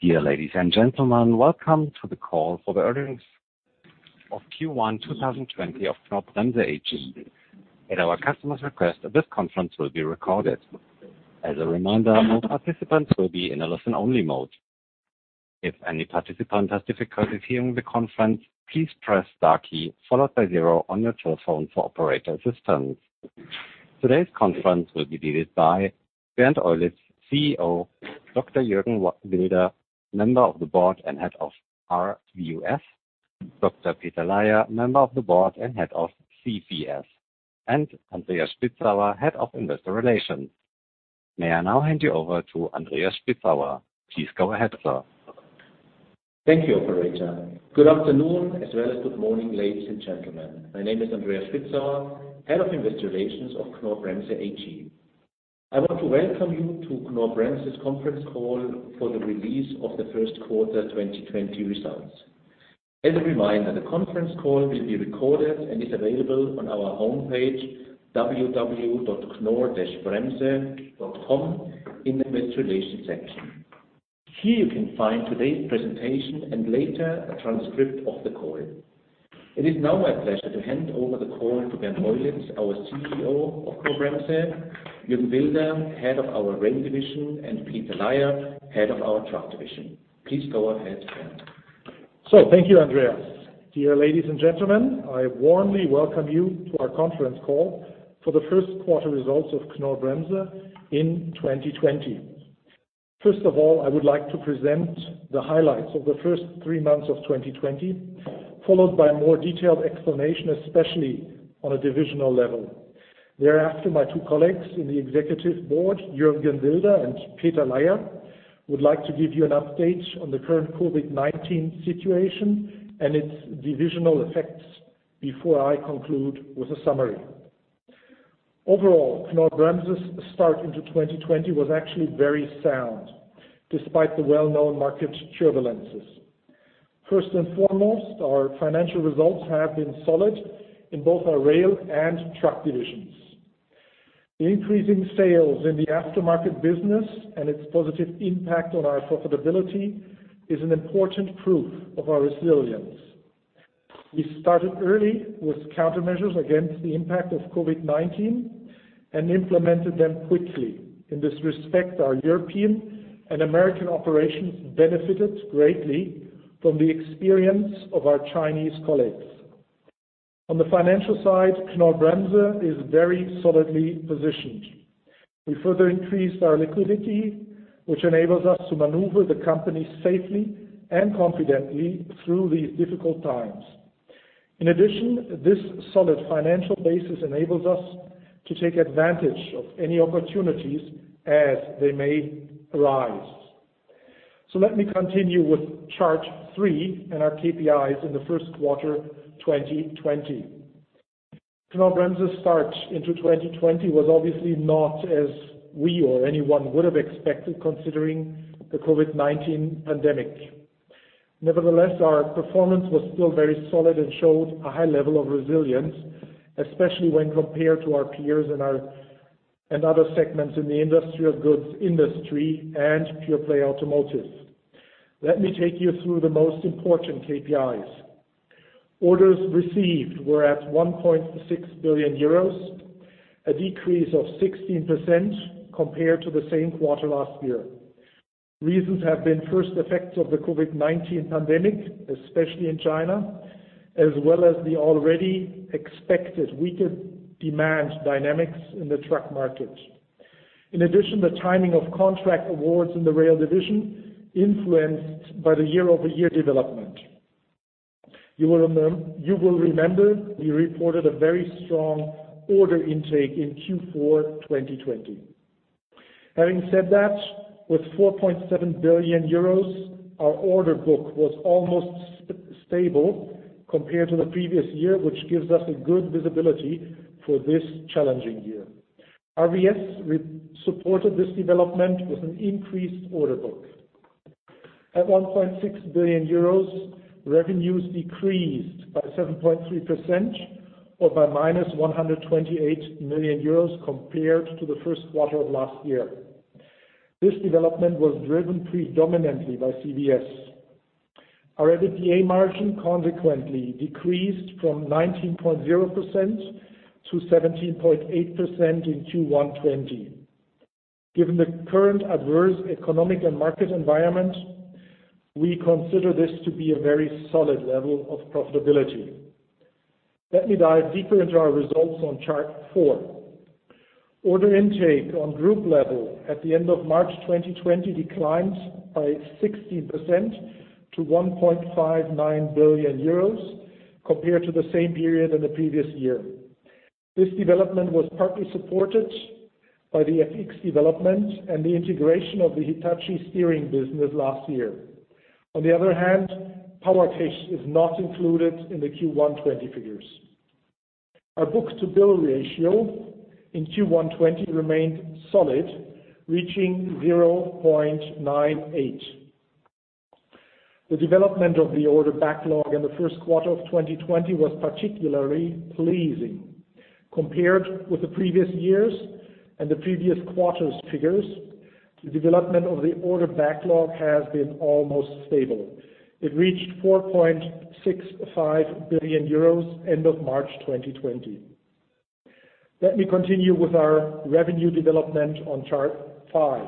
Dear ladies and gentlemen, welcome to the call for the earnings of Q1 2020 of Knorr-Bremse AG. At our customer's request, this conference will be recorded. As a reminder, all participants will be in a listen-only mode. If any participant has difficulty hearing the conference, please press star key followed by zero on your telephone for operator assistance. Today's conference will be led by Bernd Eulitz, CEO, Dr. Juergen Wilder, Member of the Board and Head of RVS, Dr. Peter Laier, Member of the Board and Head of CVS, and Andreas Spitzauer, Head of Investor Relations. May I now hand you over to Andreas Spitzauer. Please go ahead, sir. Thank you, operator. Good afternoon, as well as good morning, ladies and gentlemen. My name is Andreas Spitzauer, Head of Investor Relations of Knorr-Bremse AG. I want to welcome you to Knorr-Bremse's conference call for the release of the first quarter 2020 results. As a reminder, the conference call will be recorded and is available on our homepage, www.knorr-bremse.com, in the Investor Relations section. Here you can find today's presentation and later a transcript of the call. It is now my pleasure to hand over the call to Bernd Eulitz, our CEO of Knorr-Bremse, Jurgen Wilder, Head of our Rail Division, and Peter Laier, Head of our Truck Division. Please go ahead, Bernd. Thank you, Andreas. Dear ladies and gentlemen, I warmly welcome you to our conference call for the first quarter results of Knorr-Bremse in 2020. First of all, I would like to present the highlights of the first three months of 2020, followed by a more detailed explanation, especially on a divisional level. Thereafter, my two colleagues in the executive board, Juergen Wilder and Peter Laier, would like to give you an update on the current COVID-19 situation and its divisional effects before I conclude with a summary. Overall, Knorr-Bremse's start into 2020 was actually very sound, despite the well-known market turbulences. First and foremost, our financial results have been solid in both our rail and truck divisions. The increasing sales in the aftermarket business and its positive impact on our profitability is an important proof of our resilience. We started early with countermeasures against the impact of COVID-19 and implemented them quickly. In this respect, our European and American operations benefited greatly from the experience of our Chinese colleagues. On the financial side, Knorr-Bremse is very solidly positioned. We further increased our liquidity, which enables us to maneuver the company safely and confidently through these difficult times. In addition, this solid financial basis enables us to take advantage of any opportunities as they may arise. Let me continue with Chart three and our KPIs in the first quarter 2020. Knorr-Bremse's start into 2020 was obviously not as we or anyone would have expected, considering the COVID-19 pandemic. Nevertheless, our performance was still very solid and showed a high level of resilience, especially when compared to our peers and other segments in the industrial goods industry and pure-play automotive. Let me take you through the most important KPIs. Orders received were at 1.6 billion euros, a decrease of 16% compared to the same quarter last year. Reasons have been first effects of the COVID-19 pandemic, especially in China, as well as the already expected weaker demand dynamics in the truck market. In addition, the timing of contract awards in the rail division influenced by the year-over-year development. You will remember we reported a very strong order intake in Q4 2020. Having said that, with €4.7 billion, our order book was almost stable compared to the previous year, which gives us a good visibility for this challenging year. RVS supported this development with an increased order book. At 1.6 billion euros, revenues decreased by 7.3% or by minus 128 million euros compared to the first quarter of last year. This development was driven predominantly by CVS. Our EBITDA margin consequently decreased from 19.0% to 17.8% in Q1 2020. Given the current adverse economic and market environment, we consider this to be a very solid level of profitability. Let me dive deeper into our results on Chart four. Order intake on group level at the end of March 2020 declined by 16% to 1.59 billion euros compared to the same period in the previous year. This development was partly supported by the FX development and the integration of the Hitachi Steering business last year. On the other hand, PowerTech is not included in the Q1 '20 figures. Our book-to-bill ratio in Q1 '20 remained solid, reaching 0.98. The development of the order backlog in the first quarter of 2020 was particularly pleasing. Compared with the previous years and the previous quarter's figures, the development of the order backlog has been almost stable. It reached 4.65 billion euros end of March 2020. Let me continue with our revenue development on Chart five.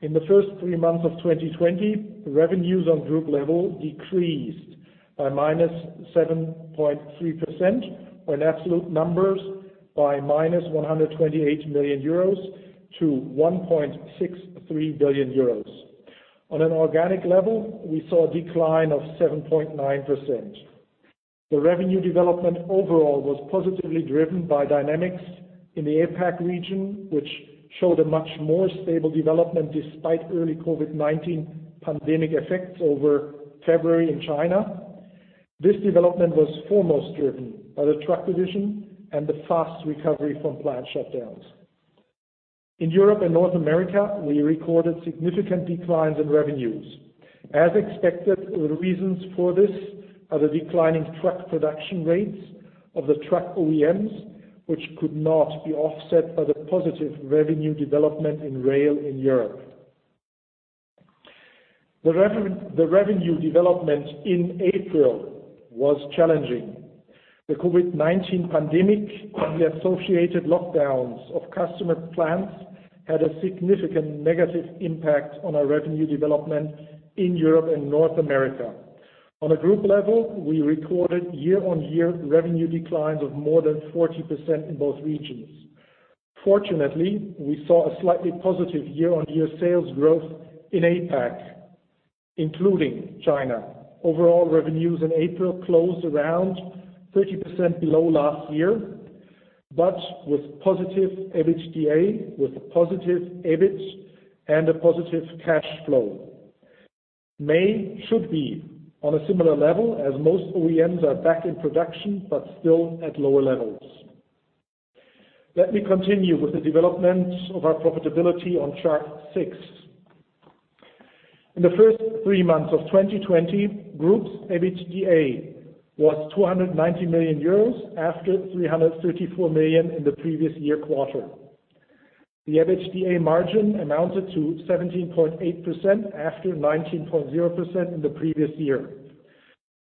In the first three months of 2020, revenues on group level decreased by -7.3%, or in absolute numbers, by minus 128 million euros to 1.63 billion euros. On an organic level, we saw a decline of 7.9%. The revenue development overall was positively driven by dynamics in the APAC region, which showed a much more stable development despite early COVID-19 pandemic effects over February in China. This development was foremost driven by the truck division and the fast recovery from plant shutdowns. In Europe and North America, we recorded significant declines in revenues. As expected, the reasons for this are the declining truck production rates of the truck OEMs, which could not be offset by the positive revenue development in rail in Europe. The revenue development in April was challenging. The COVID-19 pandemic and the associated lockdowns of customer plants had a significant negative impact on our revenue development in Europe and North America. On a group level, we recorded year-on-year revenue declines of more than 40% in both regions. Fortunately, we saw a slightly positive year-on-year sales growth in APAC, including China. Overall revenues in April closed around 30% below last year, but with positive EBITDA, with a positive EBIT, and a positive free cash flow. May should be on a similar level as most OEMs are back in production, but still at lower levels. Let me continue with the development of our profitability on Chart six. In the first three months of 2020, group's EBITDA was 290 million euros after 334 million in the previous year quarter. The EBITDA margin amounted to 17.8% after 19.0% in the previous year.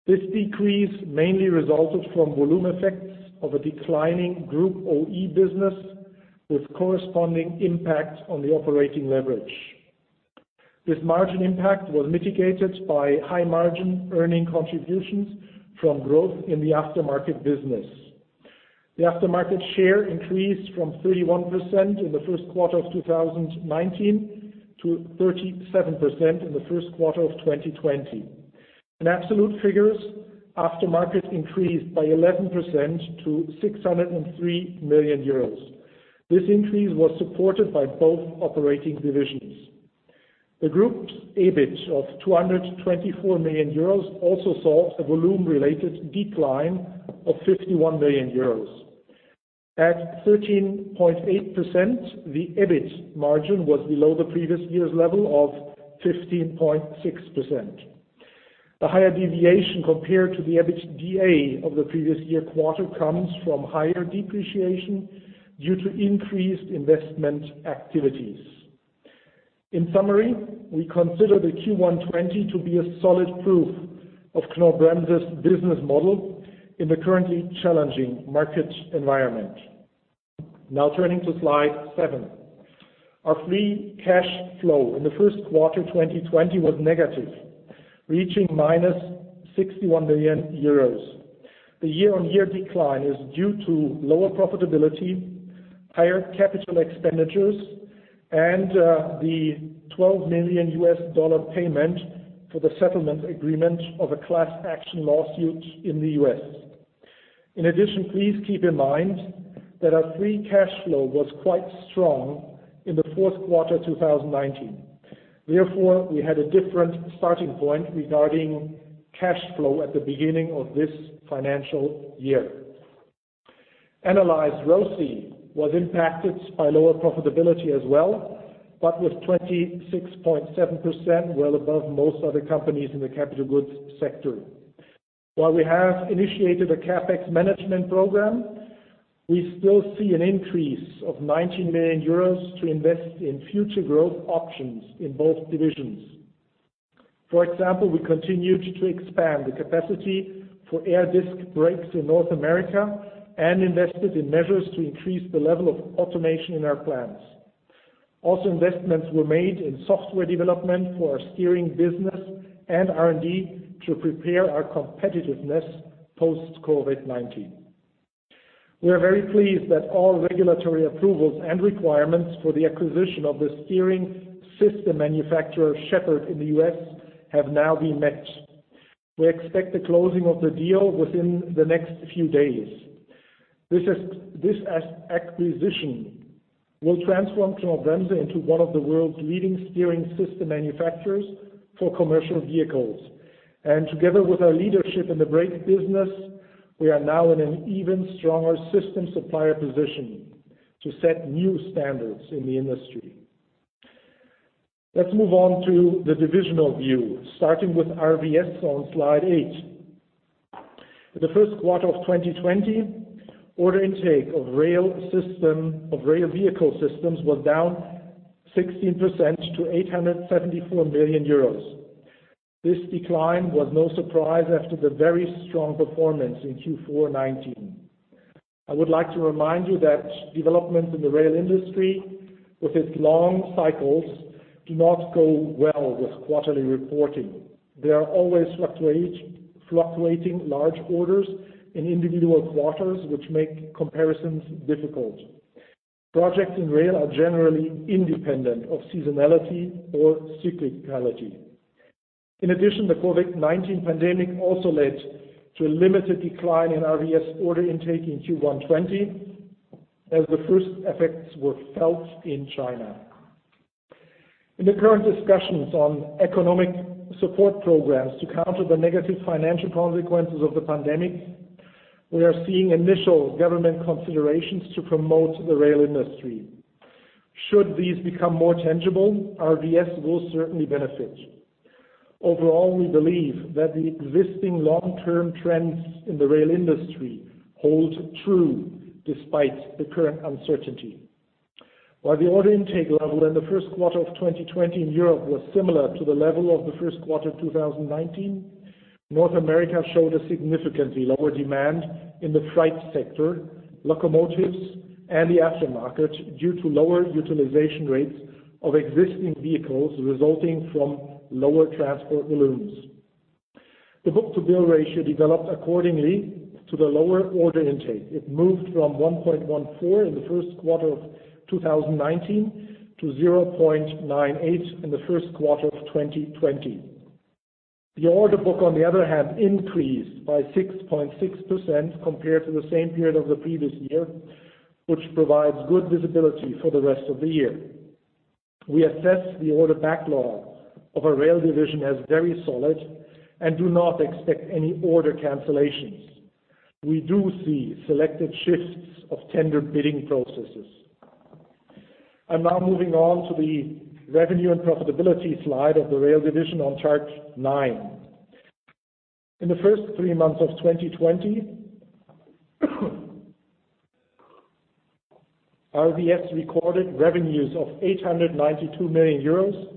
This decrease mainly resulted from volume effects of a declining group OE business with corresponding impact on the operating leverage. This margin impact was mitigated by high margin earning contributions from growth in the aftermarket business. The aftermarket share increased from 31% in the first quarter of 2019 to 37% in the first quarter of 2020. In absolute figures, aftermarket increased by 11% to 603 million euros. This increase was supported by both operating divisions. The group's EBIT of 224 million euros also saw a volume-related decline of 51 million euros. At 13.8%, the EBIT margin was below the previous year's level of 15.6%. The higher deviation compared to the EBITDA of the previous year quarter comes from higher depreciation due to increased investment activities. In summary, we consider the Q1 2020 to be a solid proof of Knorr-Bremse's business model in the currently challenging market environment. Now turning to Slide seven. Our free cash flow in the first quarter 2020 was negative, reaching minus 61 million euros. The year-on-year decline is due to lower profitability, higher capital expenditures, and the $12 million payment for the settlement agreement of a class action lawsuit in the U.S. In addition, please keep in mind that our free cash flow was quite strong in the fourth quarter 2019. Therefore, we had a different starting point regarding cash flow at the beginning of this financial year. AnNualized ROCE was impacted by lower profitability as well, but with 26.7% well above most other companies in the capital goods sector. While we have initiated a CapEx management program, we still see an increase of 90 million euros to invest in future growth options in both divisions. For example, we continued to expand the capacity for air disc brakes in North America and invested in measures to increase the level of automation in our plants. Investments were made in software development for our steering business and R&D to prepare our competitiveness post-COVID-19. We are very pleased that all regulatory approvals and requirements for the acquisition of the steering system manufacturer Sheppard in the U.S. have now been met. We expect the closing of the deal within the next few days. This acquisition will transform Knorr-Bremse into one of the world's leading steering system manufacturers for commercial vehicles. Together with our leadership in the brake business, we are now in an even stronger system supplier position to set new standards in the industry. Let's move on to the divisional view, starting with RVS on slide eight. In the first quarter of 2020, order intake of Rail Vehicle Systems was down 16% to 874 million euros. This decline was no surprise after the very strong performance in Q4 2019. I would like to remind you that developments in the rail industry, with its long cycles, do not go well with quarterly reporting. There are always fluctuating large orders in individual quarters which make comparisons difficult. Projects in rail are generally independent of seasonality or cyclicality. In addition, the COVID-19 pandemic also led to a limited decline in RVS order intake in Q1 2020, as the first effects were felt in China. In the current discussions on economic support programs to counter the negative financial consequences of the pandemic, we are seeing initial government considerations to promote the rail industry. Should these become more tangible, RVS will certainly benefit. Overall, we believe that the existing long-term trends in the rail industry hold true despite the current uncertainty. While the order intake level in the first quarter of 2020 in Europe was similar to the level of the first quarter 2019, North America showed a significantly lower demand in the freight sector, locomotives, and the aftermarket due to lower utilization rates of existing vehicles resulting from lower transport volumes. The book-to-bill ratio developed accordingly to the lower order intake. It moved from 1.14 in the first quarter of 2019 to 0.98 in the first quarter of 2020. The order book, on the other hand, increased by 6.6% compared to the same period of the previous year, which provides good visibility for the rest of the year. We assess the order backlog of our rail division as very solid and do not expect any order cancellations. We do see selective shifts of tender bidding processes. I am now moving on to the revenue and profitability slide of the Rail Division on chart nine. In the first three months of 2020 RVS recorded revenues of 892 million euros,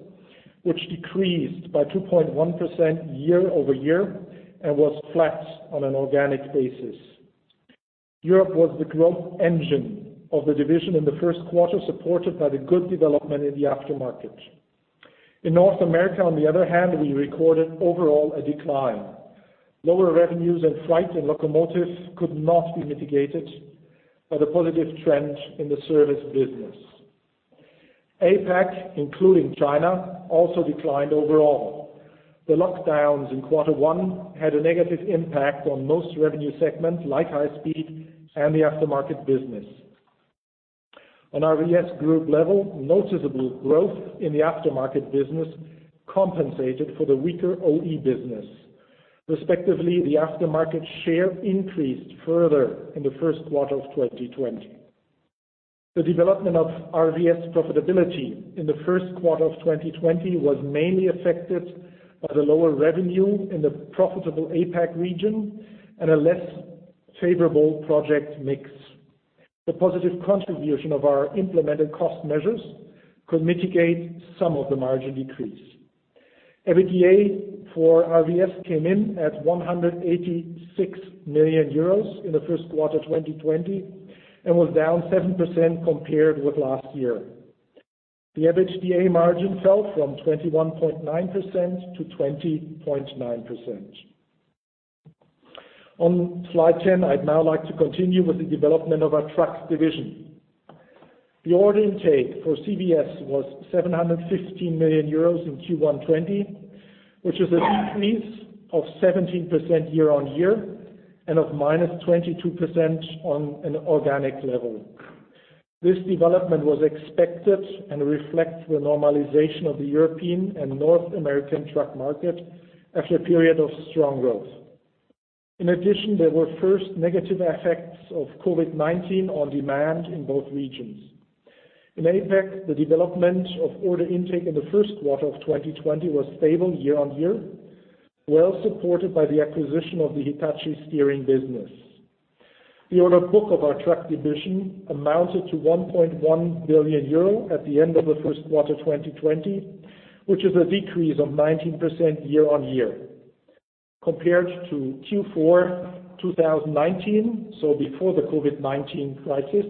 which decreased by 2.1% year-over-year and was flat on an organic basis. Europe was the growth engine of the division in the first quarter, supported by the good development in the aftermarket. In North America, on the other hand, we recorded overall a decline. Lower revenues in freight and locomotives could not be mitigated by the positive trend in the service business. APAC, including China, also declined overall. The lockdowns in quarter one had a negative impact on most revenue segments, like high speed and the aftermarket business. On RVS group level, noticeable growth in the aftermarket business compensated for the weaker OE business. Respectively, the aftermarket share increased further in the first quarter of 2020. The development of RVS profitability in the first quarter of 2020 was mainly affected by the lower revenue in the profitable APAC region and a less favorable project mix. The positive contribution of our implemented cost measures could mitigate some of the margin decrease. EBITDA for RVS came in at 186 million euros in the first quarter 2020 and was down 7% compared with last year. The EBITDA margin fell from 21.9% to 20.9%. On slide 10, I'd now like to continue with the development of our trucks division. The order intake for CVS was 715 million euros in Q1 2020, which is a decrease of 17% year-over-year and of minus 22% on an organic level. This development was expected and reflects the normalization of the European and North American truck market after a period of strong growth. In addition, there were first negative effects of COVID-19 on demand in both regions. In APAC, the development of order intake in the first quarter of 2020 was stable year-on-year. Well supported by the acquisition of the Hitachi steering business. The order book of our truck division amounted to 1.1 billion euro at the end of the first quarter 2020, which is a decrease of 19% year-on-year. Compared to Q4 2019, so before the COVID-19 crisis,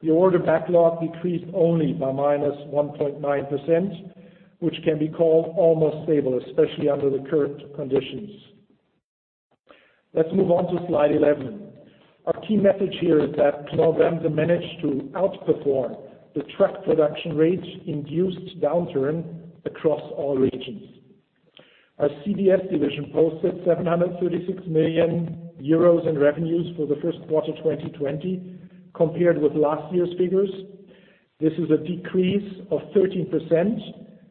the order backlog decreased only by -1.9%, which can be called almost stable, especially under the current conditions. Let's move on to slide 11. Our key message here is that Knorr-Bremse managed to outperform the truck production rate induced downturn across all regions. Our CVS division posted 736 million euros in revenues for the first quarter 2020 compared with last year's figures. This is a decrease of 13%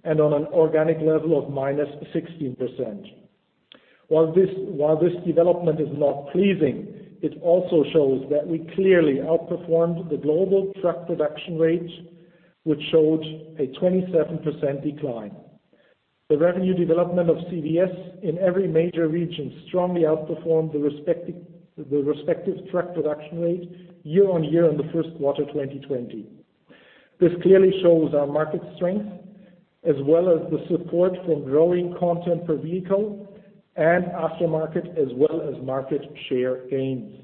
and on an organic level of minus 16%. While this development is not pleasing, it also shows that we clearly outperformed the global truck production rate, which showed a 27% decline. The revenue development of CVS in every major region strongly outperformed the respective truck production rate year-on-year in the first quarter 2020. This clearly shows our market strength, as well as the support from growing content per vehicle and aftermarket, as well as market share gains.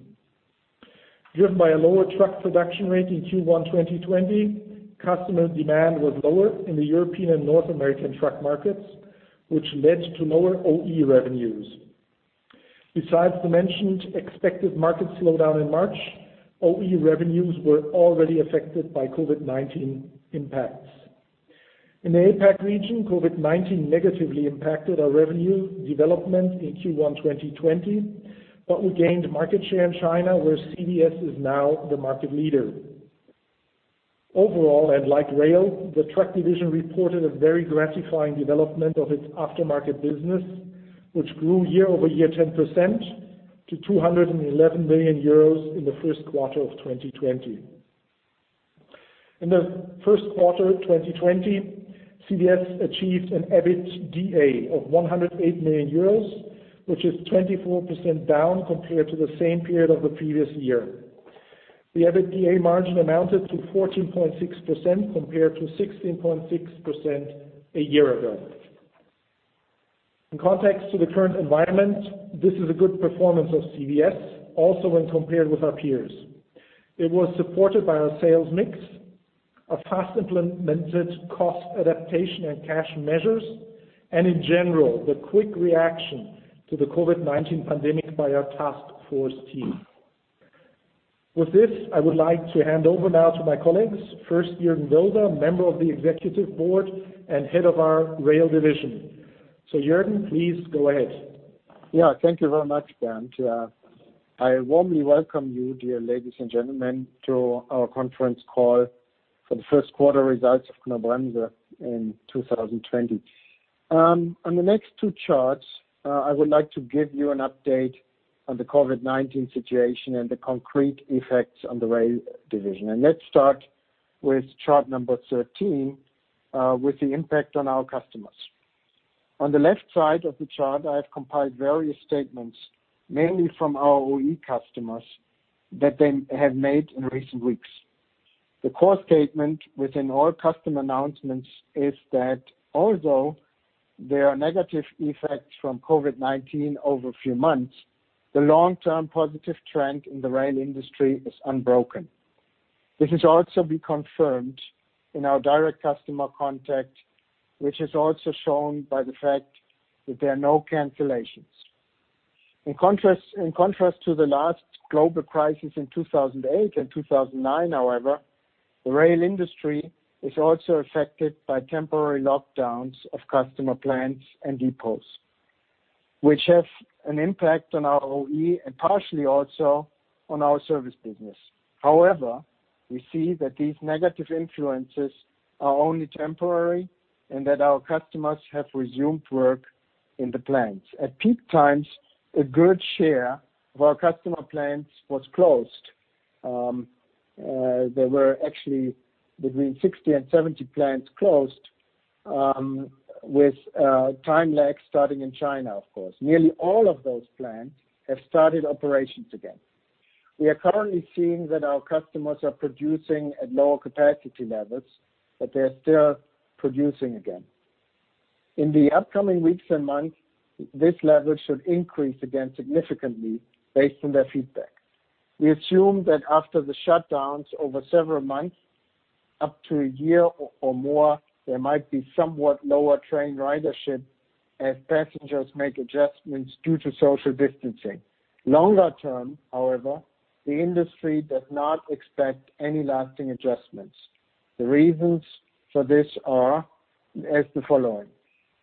Driven by a lower truck production rate in Q1 2020, customer demand was lower in the European and North American truck markets, which led to lower OE revenues. Besides the mentioned expected market slowdown in March, OE revenues were already affected by COVID-19 impacts. In the APAC region, COVID-19 negatively impacted our revenue development in Q1 2020, we gained market share in China, where CVS is now the market leader. Overall, and like rail, the truck division reported a very gratifying development of its aftermarket business, which grew year-over-year 10% to 211 million euros in the first quarter of 2020. In the first quarter of 2020, CVS achieved an EBITDA of 108 million euros, which is 24% down compared to the same period of the previous year. The EBITDA margin amounted to 14.6% compared to 16.6% a year ago. In context to the current environment, this is a good performance of CVS, also when compared with our peers. It was supported by our sales mix, a fast-implemented cost adaptation and cash measures, and in general, the quick reaction to the COVID-19 pandemic by our task force team. With this, I would like to hand over now to my colleagues, first Juergen Wilder, Member of the Executive Board and Head of our Rail division. Juergen, please go ahead. Thank you very much, Bernd. I warmly welcome you, dear ladies and gentlemen, to our conference call for the first quarter results of Knorr-Bremse in 2020. On the next two charts, I would like to give you an update on the COVID-19 situation and the concrete effects on the rail division. Let's start with chart number 13, with the impact on our customers. On the left side of the chart, I have compiled various statements, mainly from our OE customers, that they have made in recent weeks. The core statement within all customer announcements is that although there are negative effects from COVID-19 over a few months, the long-term positive trend in the rail industry is unbroken. This has also been confirmed in our direct customer contact, which is also shown by the fact that there are no cancellations. In contrast to the last global crisis in 2008 and 2009, however, the rail industry is also affected by temporary lockdowns of customer plans and depots, which have an impact on our OE and partially also on our service business. However, we see that these negative influences are only temporary and that our customers have resumed work in the plants. At peak times, a good share of our customer plants was closed. There were actually between 60 and 70 plants closed, with a time lag starting in China, of course. Nearly all of those plants have started operations again. We are currently seeing that our customers are producing at lower capacity levels, but they are still producing again. In the upcoming weeks and months, this level should increase again significantly based on their feedback. We assume that after the shutdowns over several months, up to a year or more, there might be somewhat lower train ridership as passengers make adjustments due to social distancing. Longer term, however, the industry does not expect any lasting adjustments. The reasons for this are as the following.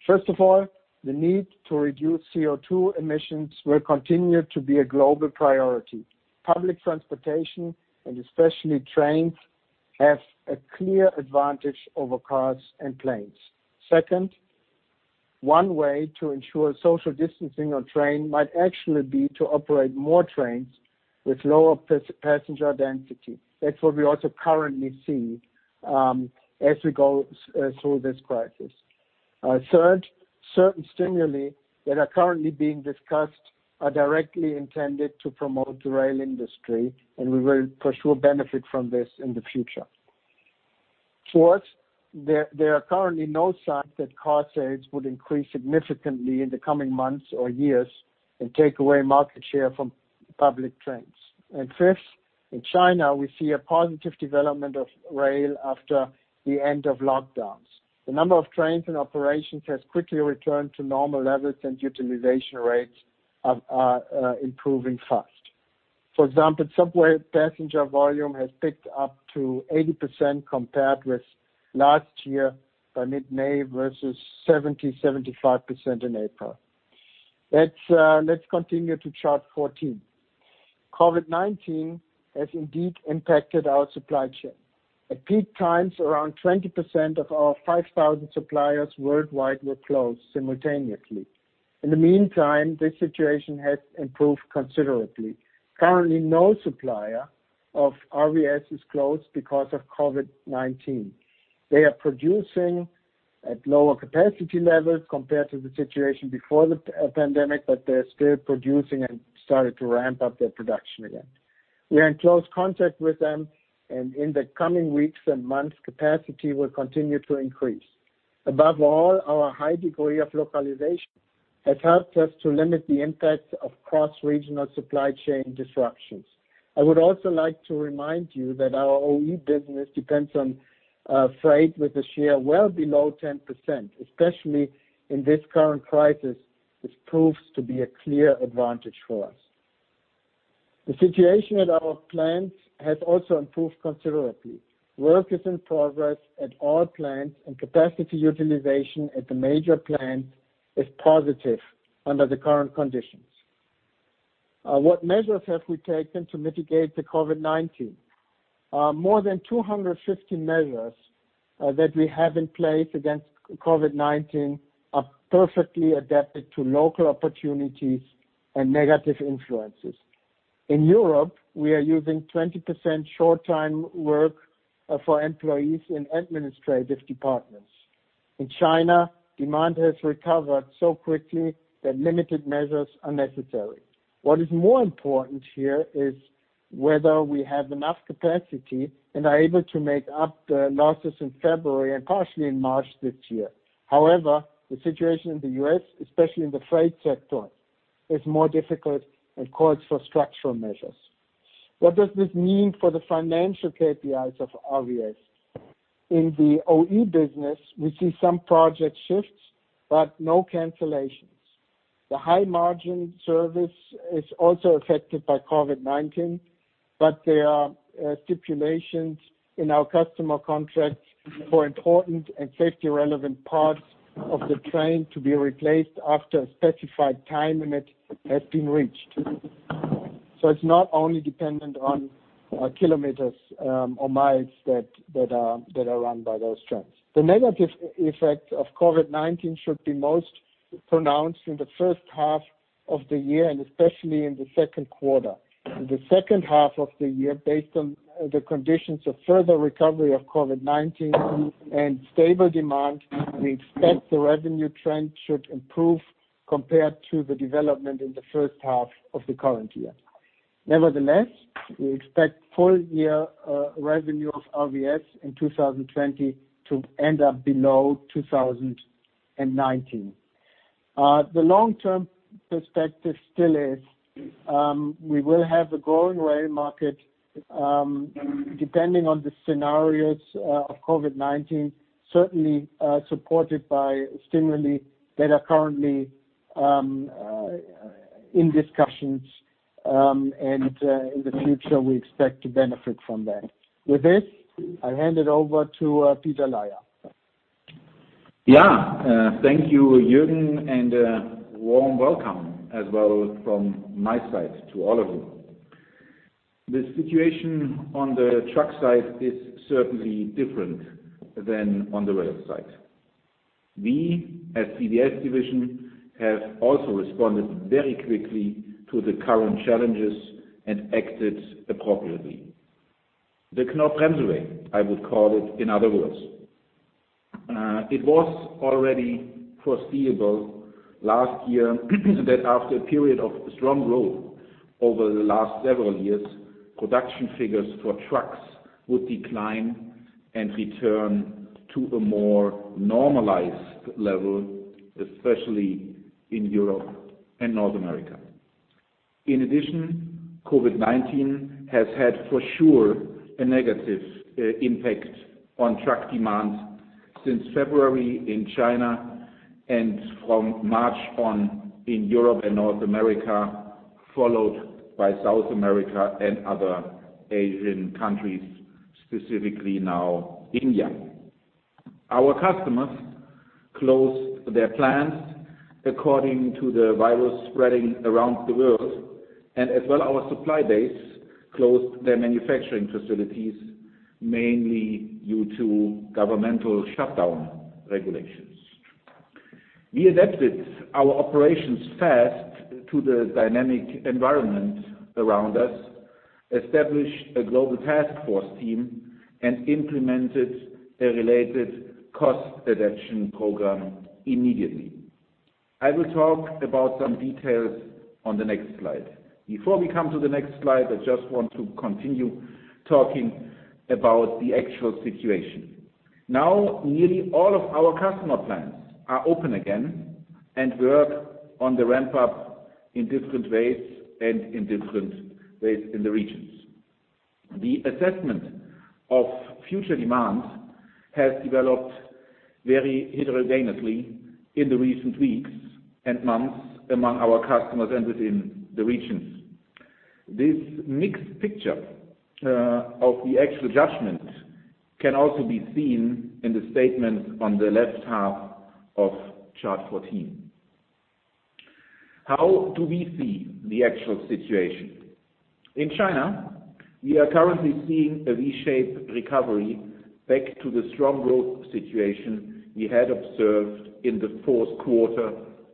First of all, the need to reduce CO2 emissions will continue to be a global priority. Public transportation, and especially trains, have a clear advantage over cars and planes. Second, one way to ensure social distancing on train might actually be to operate more trains with lower passenger density. That's what we also currently see as we go through this crisis. Third, certain stimuli that are currently being discussed are directly intended to promote the rail industry, and we will for sure benefit from this in the future. Fourth, there are currently no signs that car sales would increase significantly in the coming months or years and take away market share from public trains. And fifth, in China, we see a positive development of rail after the end of lockdowns. The number of trains and operations has quickly returned to normal levels, and utilization rates are improving fast. For example, subway passenger volume has picked up to 80% compared with last year by mid-May, versus 70%-75% in April. Let's continue to chart 14. COVID-19 has indeed impacted our supply chain. At peak times, around 20% of our 5,000 suppliers worldwide were closed simultaneously. In the meantime, this situation has improved considerably. Currently, no supplier of RVS is closed because of COVID-19. They are producing at lower capacity levels compared to the situation before the pandemic, but they're still producing and started to ramp up their production again. We are in close contact with them, and in the coming weeks and months, capacity will continue to increase. Above all, our high degree of localization has helped us to limit the impacts of cross-regional supply chain disruptions. I would also like to remind you that our OE business depends on freight with a share well below 10%. Especially in this current crisis, this proves to be a clear advantage for us. The situation at our plants has also improved considerably. Work is in progress at all plants, and capacity utilization at the major plants is positive under the current conditions. What measures have we taken to mitigate the COVID-19? More than 250 measures that we have in place against COVID-19 are perfectly adapted to local opportunities and negative influences. In Europe, we are using 20% short-time work for employees in administrative departments. In China, demand has recovered so quickly that limited measures are necessary. What is more important here is whether we have enough capacity and are able to make up the losses in February and partially in March this year. The situation in the U.S., especially in the freight sector, is more difficult and calls for structural measures. What does this mean for the financial KPIs of RVS? In the OE business, we see some project shifts but no cancellations. The high-margin service is also affected by COVID-19, but there are stipulations in our customer contracts for important and safety-relevant parts of the train to be replaced after a specified time limit has been reached. It's not only dependent on kilometers or miles that are run by those trains. The negative effect of COVID-19 should be most pronounced in the first half of the year and especially in the second quarter. In the second half of the year, based on the conditions of further recovery of COVID-19 and stable demand, we expect the revenue trend should improve compared to the development in the first half of the current year. Nevertheless, we expect full-year revenue of RVS in 2020 to end up below 2019. The long-term perspective still is we will have a growing rail market, depending on the scenarios of COVID-19, certainly supported by stimuli that are currently in discussions, and in the future, we expect to benefit from that. With this, I hand it over to Peter Laier. Thank you, Juergen, and a warm welcome as well from my side to all of you. The situation on the truck side is certainly different than on the rail side. We, as CVS division, have also responded very quickly to the current challenges and acted appropriately. The Knorr-Bremse way, I would call it in other words. It was already foreseeable last year that after a period of strong growth over the last several years, production figures for trucks would decline and return to a more normalized level, especially in Europe and North America. In addition, COVID-19 has had for sure a negative impact on truck demand since February in China and from March on in Europe and North America, followed by South America and other Asian countries, specifically now India. Our customers closed their plants according to the virus spreading around the world, and as well, our supply base closed their manufacturing facilities, mainly due to governmental shutdown regulations. We adapted our operations fast to the dynamic environment around us, established a global task force team, and implemented a related cost reduction program immediately. I will talk about some details on the next slide. Before we come to the next slide, I just want to continue talking about the actual situation. Now, nearly all of our customer plants are open again and work on the ramp-up in different ways in the regions. The assessment of future demands has developed very heterogeneously in the recent weeks and months among our customers and within the regions. This mixed picture of the actual judgment can also be seen in the statement on the left half of Chart 14. How do we see the actual situation? In China, we are currently seeing a V-shaped recovery back to the strong growth situation we had observed in the fourth quarter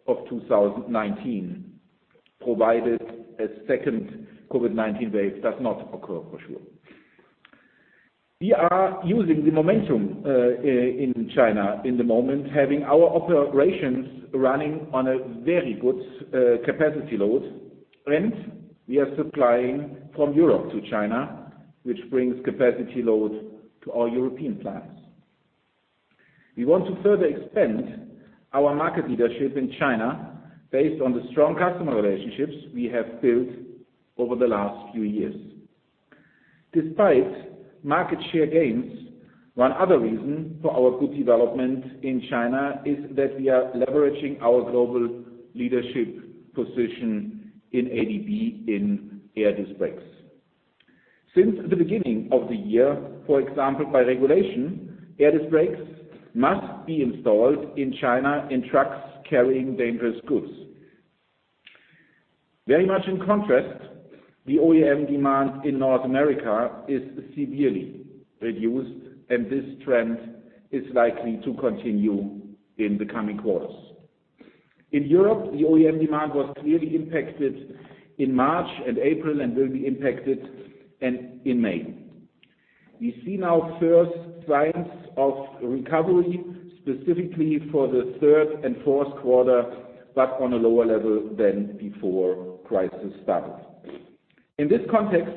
of 2019, provided a second COVID-19 wave does not occur for sure. We are using the momentum in China at the moment, having our operations running on a very good capacity load, and we are supplying from Europe to China, which brings capacity load to our European plants. We want to further expand our market leadership in China based on the strong customer relationships we have built over the last few years. Despite market share gains, one other reason for our good development in China is that we are leveraging our global leadership position in ADB in air disc brakes. Since the beginning of the year, for example, by regulation, air disc brakes must be installed in China in trucks carrying dangerous goods. Very much in contrast, the OEM demand in North America is severely reduced, and this trend is likely to continue in the coming quarters. In Europe, the OEM demand was clearly impacted in March and April and will be impacted in May. We see now first signs of recovery, specifically for the third and fourth quarter, but on a lower level than before crisis started. In this context,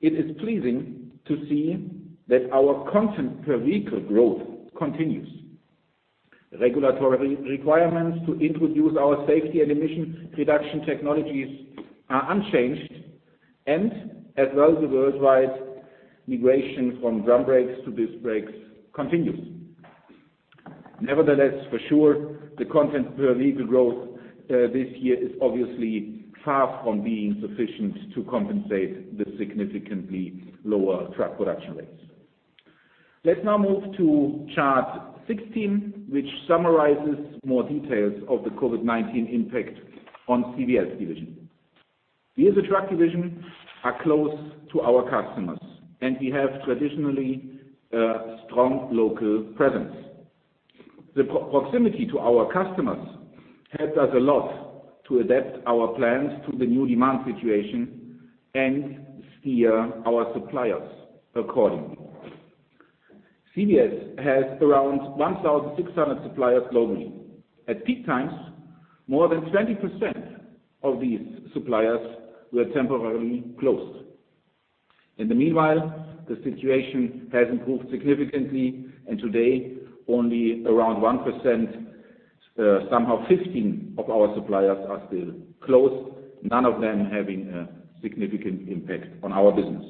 it is pleasing to see that our content per vehicle growth continues. Regulatory requirements to introduce our safety and emission reduction technologies are unchanged, and as well the worldwide migration from drum brakes to disc brakes continues. Nevertheless, for sure, the content per vehicle growth this year is obviously far from being sufficient to compensate the significantly lower truck production rates. Let's now move to Chart 16, which summarizes more details of the COVID-19 impact on CVS division. We as a truck division are close to our customers, and we have traditionally a strong local presence. The proximity to our customers helped us a lot to adapt our plans to the new demand situation and steer our suppliers accordingly. CVS has around 1,600 suppliers globally. At peak times, more than 20% of these suppliers were temporarily closed. In the meanwhile, the situation has improved significantly, and today only around 1%, somehow 15 of our suppliers are still closed, none of them having a significant impact on our business.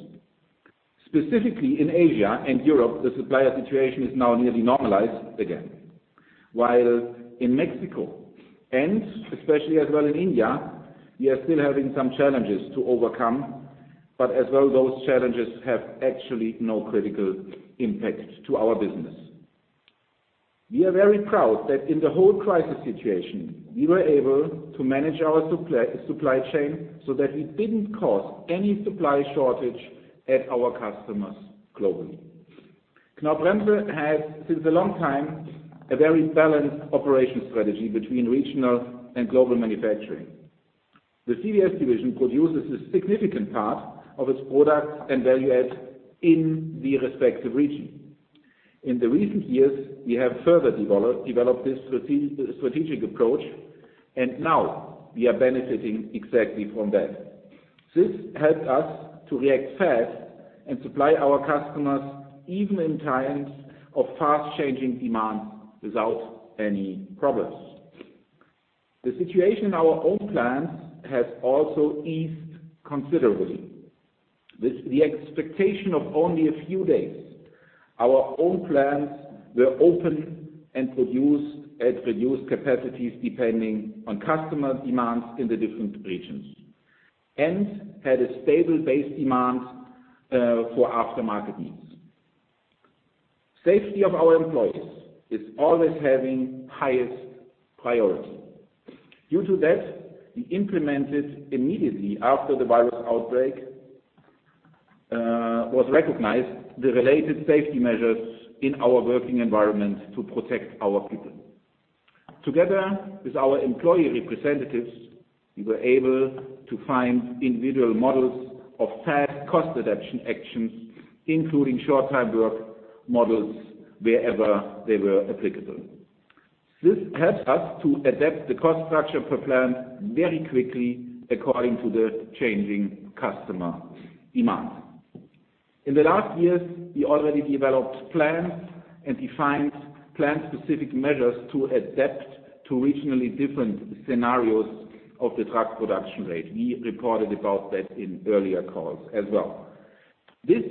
Specifically in Asia and Europe, the supplier situation is now nearly normalized again. While in Mexico, and especially as well in India, we are still having some challenges to overcome, but as well, those challenges have actually no critical impact to our business. We are very proud that in the whole crisis situation, we were able to manage our supply chain so that we didn't cause any supply shortage at our customers globally. Knorr-Bremse has, since a long time, a very balanced operation strategy between regional and global manufacturing. The CVS division produces a significant part of its product and value add in the respective region. In the recent years, we have further developed this strategic approach, and now we are benefiting exactly from that. This helped us to react fast and supply our customers even in times of fast-changing demand without any problems. The situation in our own plants has also eased considerably. With the expectation of only a few days, our own plants were open and produced at reduced capacities depending on customer demands in the different regions and had a stable base demand for aftermarket needs. Safety of our employees is always having highest priority. Due to that, we implemented immediately after the virus outbreak was recognized, the related safety measures in our working environment to protect our people. Together with our employee representatives, we were able to find individual models of fast cost reduction actions, including short-time work models wherever they were applicable. This helped us to adapt the cost structure per plant very quickly according to the changing customer demand. In the last years, we already developed plans and defined plan-specific measures to adapt to regionally different scenarios of the truck production rate. We reported about that in earlier calls as well. This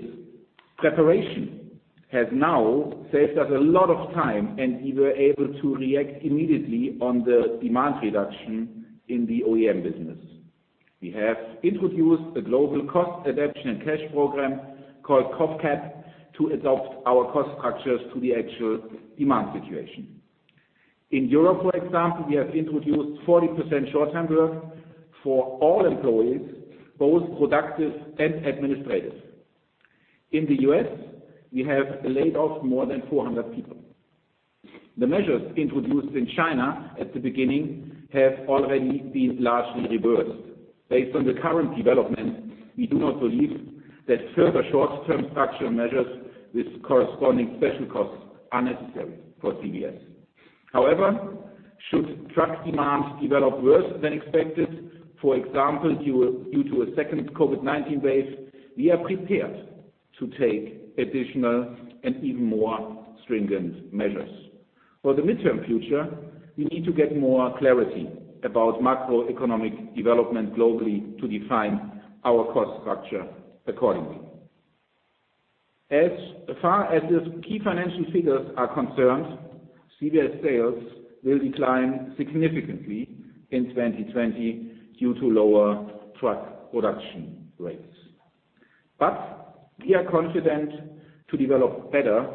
preparation has now saved us a lot of time, and we were able to react immediately on the demand reduction in the OEM business. We have introduced a global cost adaptation and cash program called COV-CAT to adapt our cost structures to the actual demand situation. In Europe, for example, we have introduced 40% short-time work for all employees, both productive and administrative. In the U.S., we have laid off more than 400 people. The measures introduced in China at the beginning have already been largely reversed. Based on the current development, we do not believe that further short-term structural measures with corresponding special costs are necessary for CVS. However, should truck demands develop worse than expected, for example, due to a second COVID-19 wave, we are prepared to take additional and even more stringent measures. For the midterm future, we need to get more clarity about macroeconomic development globally to define our cost structure accordingly. As far as the key financial figures are concerned, CVS sales will decline significantly in 2020 due to lower truck production rates. We are confident to develop better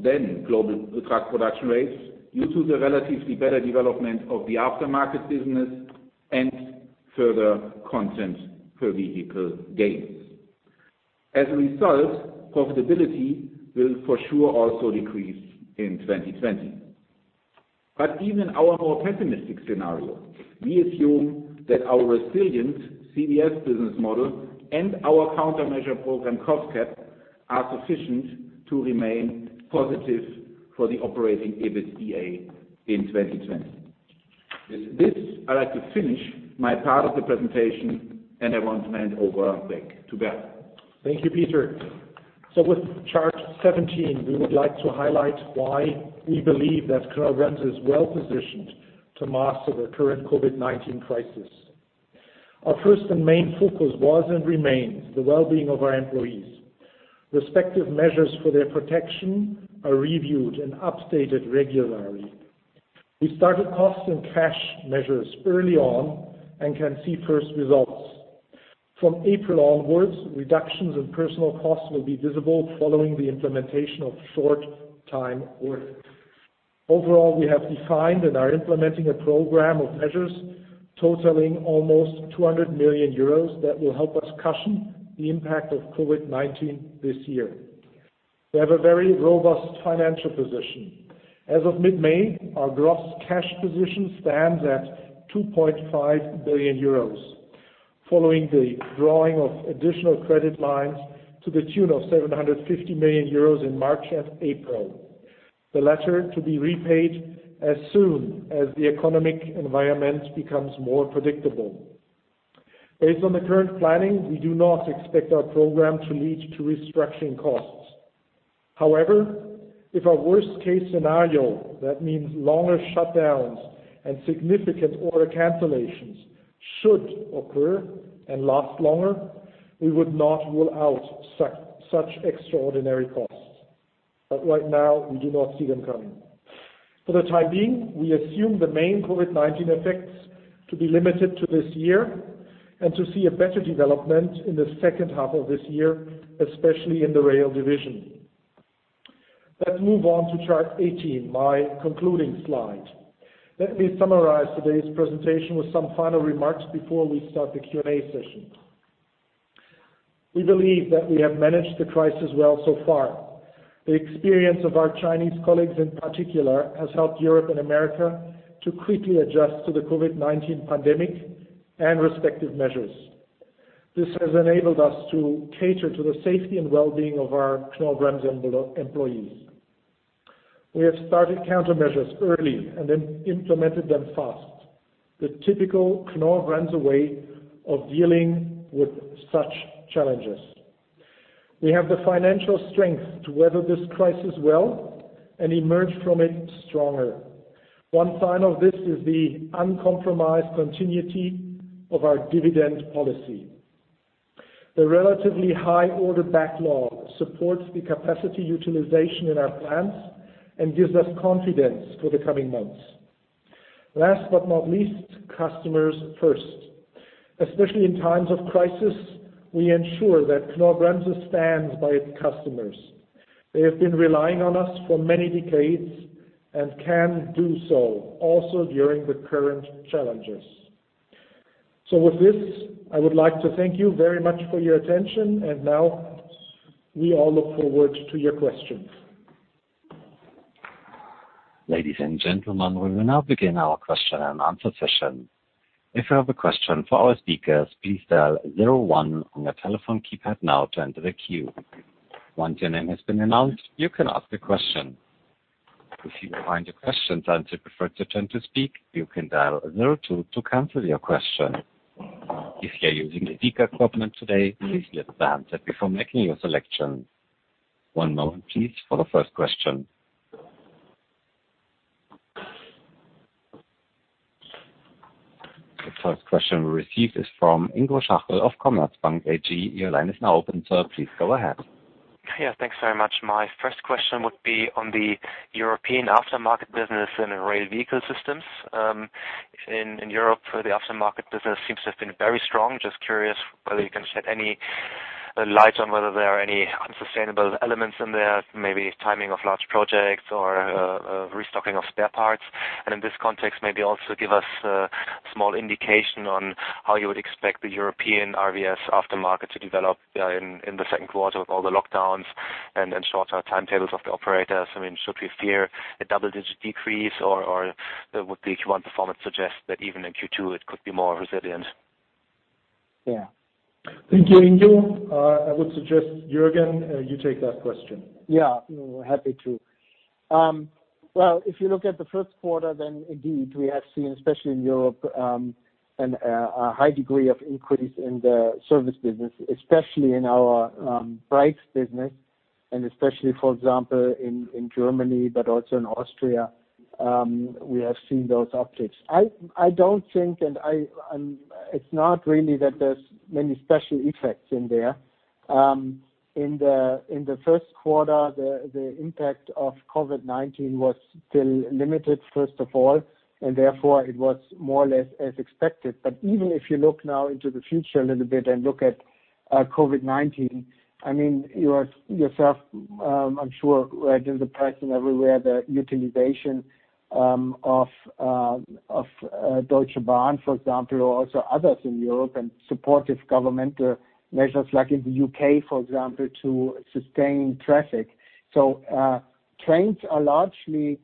than global truck production rates due to the relatively better development of the aftermarket business and further content per vehicle gains. As a result, profitability will for sure also decrease in 2020. Even in our more pessimistic scenario, we assume that our resilient CVS business model and our countermeasure program, COV-CAT, are sufficient to remain positive for the operating EBITDA in 2020. With this, I'd like to finish my part of the presentation, and I want to hand over back to Bernd. Thank you, Peter. With chart 17, we would like to highlight why we believe that Knorr-Bremse is well-positioned to master the current COVID-19 crisis. Our first and main focus was and remains the well-being of our employees. Respective measures for their protection are reviewed and updated regularly. We started cost and cash measures early on and can see first results. From April onwards, reductions in personal costs will be visible following the implementation of short-time work. Overall, we have defined and are implementing a program of measures totaling almost 200 million euros that will help us cushion the impact of COVID-19 this year. We have a very robust financial position. As of mid-May, our gross cash position stands at 2.5 billion euros, following the drawing of additional credit lines to the tune of 750 million euros in March and April. The latter to be repaid as soon as the economic environment becomes more predictable. Based on the current planning, we do not expect our program to lead to restructuring costs. If our worst-case scenario, that means longer shutdowns and significant order cancellations should occur and last longer, we would not rule out such extraordinary costs. Right now, we do not see them coming. For the time being, we assume the main COVID-19 effects to be limited to this year and to see a better development in the second half of this year, especially in the rail division. Let's move on to chart 18, my concluding slide. Let me summarize today's presentation with some final remarks before we start the Q&A session. We believe that we have managed the crisis well so far. The experience of our Chinese colleagues in particular has helped Europe and America to quickly adjust to the COVID-19 pandemic and respective measures. This has enabled us to cater to the safety and well-being of our Knorr-Bremse employees. We have started countermeasures early and then implemented them fast. The typical Knorr-Bremse way of dealing with such challenges. We have the financial strength to weather this crisis well and emerge from it stronger. One sign of this is the uncompromised continuity of our dividend policy. The relatively high order backlog supports the capacity utilization in our plants and gives us confidence for the coming months. Last but not least, customers first. Especially in times of crisis, we ensure that Knorr-Bremse stands by its customers. They have been relying on us for many decades and can do so also during the current challenges. With this, I would like to thank you very much for your attention, and now we all look forward to your questions. Ladies and gentlemen, we will now begin our question and answer session. If you have a question for our speakers, please dial zero one on your telephone keypad now to enter the queue. Once your name has been announced, you can ask a question. If you find your question has answered before it's your turn to speak, you can dial zero two to cancel your question. If you are using the speaker equipment today, please lift the answer before making your selection. One moment please for the first question. The first question we received is from Ingo Schachel of Commerzbank AG. Your line is now open, sir. Please go ahead. Yeah. Thanks very much. My first question would be on the European aftermarket business in Rail Vehicle Systems. In Europe, the aftermarket business seems to have been very strong. Just curious whether you can shed any light on whether there are any unsustainable elements in there, maybe timing of large projects or restocking of spare parts. In this context, maybe also give us a small indication on how you would expect the European RVS aftermarket to develop in the second quarter with all the lockdowns and shorter timetables of the operators. Should we fear a double-digit decrease, or would the Q1 performance suggest that even in Q2 it could be more resilient? Yeah. Thank you. I would suggest, Juergen, you take that question. Yeah, happy to. Well, if you look at the first quarter, indeed, we have seen, especially in Europe, a high degree of increase in the service business, especially in our brakes business, and especially, for example, in Germany, but also in Austria, we have seen those upticks. It's not really that there's many special effects in there. In the first quarter, the impact of COVID-19 was still limited, first of all, therefore it was more or less as expected. Even if you look now into the future a little bit and look at COVID-19, you yourself, I'm sure, read in the press and everywhere the utilization of Deutsche Bahn, for example, or also others in Europe and supportive government measures like in the U.K., for example, to sustain traffic. Trains are largely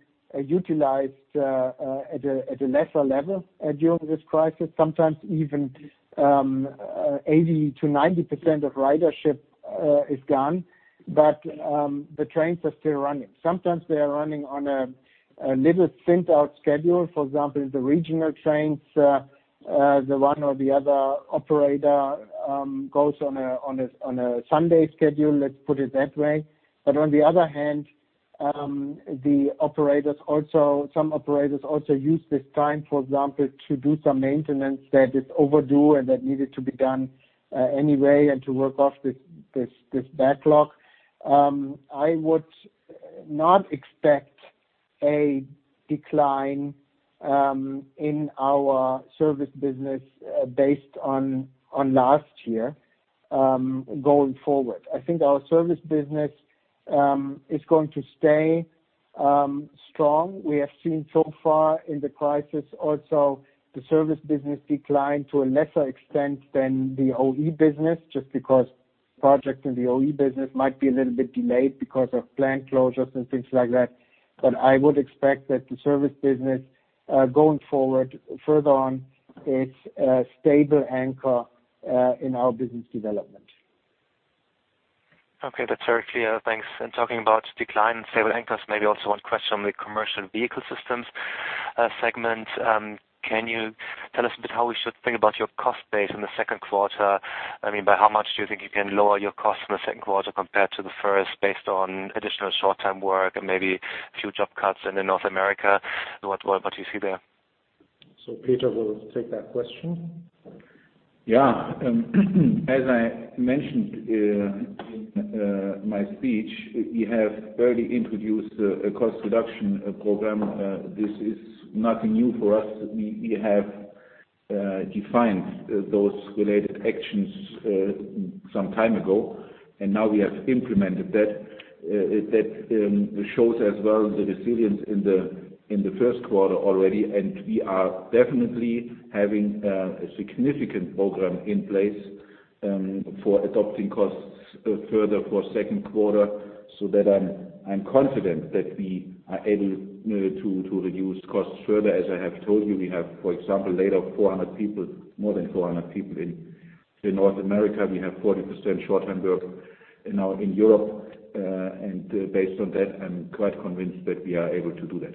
utilized at a lesser level during this crisis. Sometimes even 80%-90% of ridership is gone, but the trains are still running. Sometimes they are running on a little thinned-out schedule. For example, the regional trains, the one or the other operator goes on a Sunday schedule, let's put it that way. On the other hand, some operators also use this time, for example, to do some maintenance that is overdue and that needed to be done anyway and to work off this backlog. I would not expect a decline in our service business based on last year going forward. I think our service business is going to stay strong. We have seen so far in the crisis also the service business decline to a lesser extent than the OE business, just because projects in the OE business might be a little bit delayed because of plant closures and things like that. I would expect that the service business going forward, further on, is a stable anchor in our business development. Okay. That's very clear. Thanks. Talking about decline and stable anchors, maybe also one question on the Commercial Vehicle Systems segment. Can you tell us a bit how we should think about your cost base in the second quarter? By how much do you think you can lower your cost in the second quarter compared to the first, based on additional short-time work and maybe future cuts in North America? What do you see there? Peter will take that question. Yeah. As I mentioned in my speech, we have already introduced a cost reduction program. This is nothing new for us. We have defined those related actions some time ago, and now we have implemented that. That shows as well the resilience in the first quarter already, and we are definitely having a significant program in place for adopting costs further for second quarter, so that I'm confident that we are able to reduce costs further. As I have told you, we have, for example, laid off more than 400 people in North America. We have 40% short-time work now in Europe. Based on that, I'm quite convinced that we are able to do that.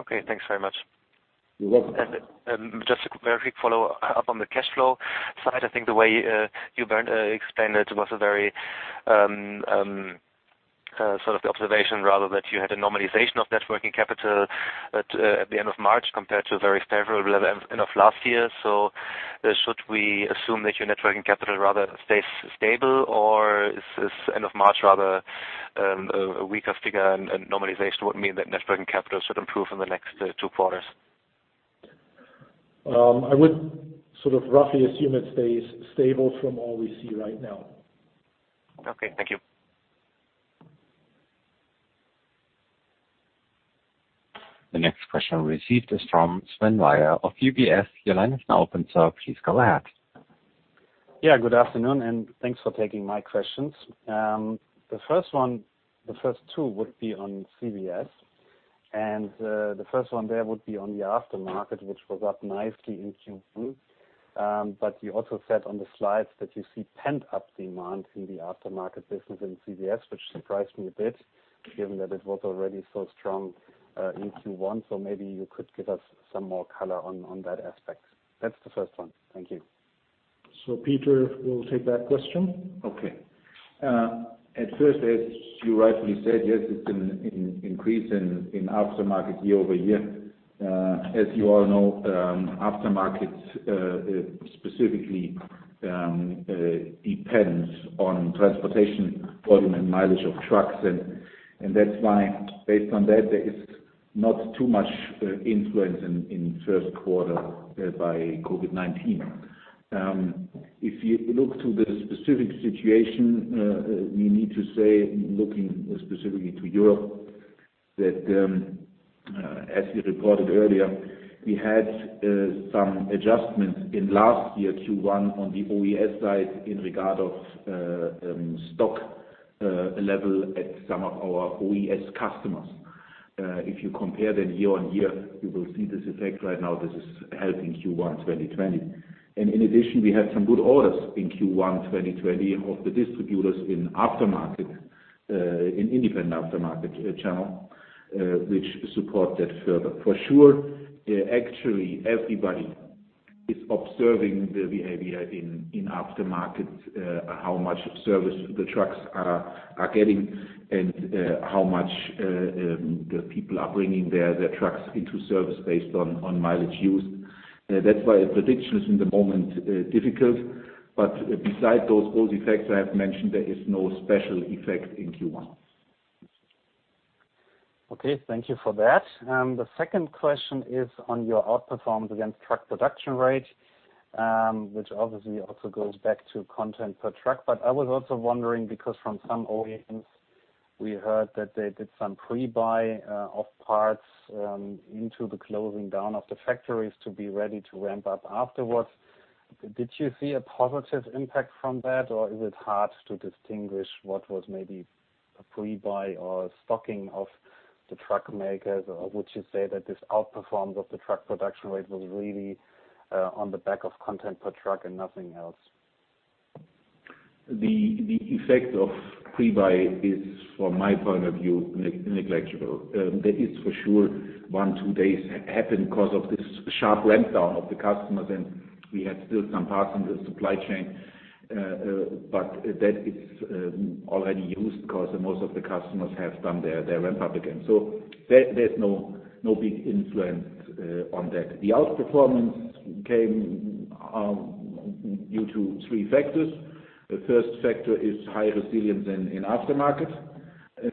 Okay. Thanks very much. You're welcome. Just a very quick follow-up on the cash flow side. I think the way you explained it was a very sort of the observation rather, that you had a normalization of net working capital at the end of March compared to a very favorable level end of last year. Should we assume that your net working capital rather stays stable, or is end of March rather a weaker figure and normalization would mean that net working capital should improve in the next two quarters? I would roughly assume it stays stable from all we see right now. Okay. Thank you. The next question received is from Sven Weier of UBS. Your line is now open, sir. Please go ahead. Yeah. Good afternoon, thanks for taking my questions. The first two would be on CVS. The first one there would be on the aftermarket, which was up nicely in Q1. You also said on the slides that you see pent-up demand in the aftermarket business in CVS, which surprised me a bit given that it was already so strong in Q1. Maybe you could give us some more color on that aspect. That's the first one. Thank you. Peter will take that question. As you rightfully said, yes, it's been increasing in aftermarket year-over-year. As you all know, aftermarket specifically depends on transportation volume and mileage of trucks. That's why based on that, there is not too much influence in first quarter by COVID-19. If you look to the specific situation, we need to say, looking specifically to Europe, that as we reported earlier, we had some adjustments in last year Q1 on the OES side in regard of stock level at some of our OES customers. If you compare year-on-year, you will see this effect right now. This is helping Q1 2020. In addition, we had some good orders in Q1 2020 of the distributors in independent aftermarket channel, which support that further. For sure, actually everybody is observing the behavior in aftermarkets, how much service the trucks are getting and how much the people are bringing their trucks into service based on mileage use. That's why a prediction is in the moment difficult. Besides those effects I have mentioned, there is no special effect in Q1. Okay. Thank you for that. The second question is on your outperformance against truck production rate, which obviously also goes back to content per truck. But I was also wondering because from some OEMs we heard that they did some pre-buy of parts into the closing down of the factories to be ready to ramp up afterwards. Did you see a positive impact from that, or is it hard to distinguish what was maybe a pre-buy or stocking of the truck makers? Or would you say that this outperformance of the truck production rate was really on the back of content per truck and nothing else? The effect of pre-buy is, from my point of view, negligible. That is for sure, one, two days happened because of this sharp ramp down of the customers, and we had still some parts in the supply chain, but that is already used because most of the customers have done their ramp up again. There's no big influence on that. The outperformance came due to three factors. The first factor is high resilience in aftermarket,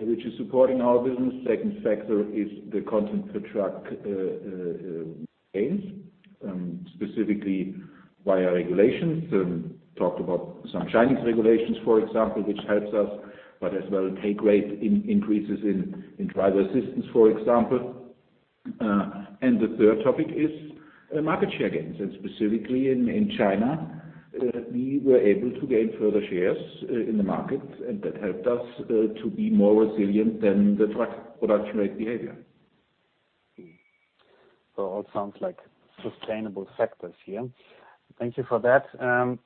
which is supporting our business. Second factor is the content per truck gains, specifically via regulations. We talked about some Chinese regulations, for example, which helps us, but as well take rate increases in driver assistance, for example. The third topic is market share gains, and specifically in China, we were able to gain further shares in the market, and that helped us to be more resilient than the truck production rate behavior. All sounds like sustainable factors here. Thank you for that.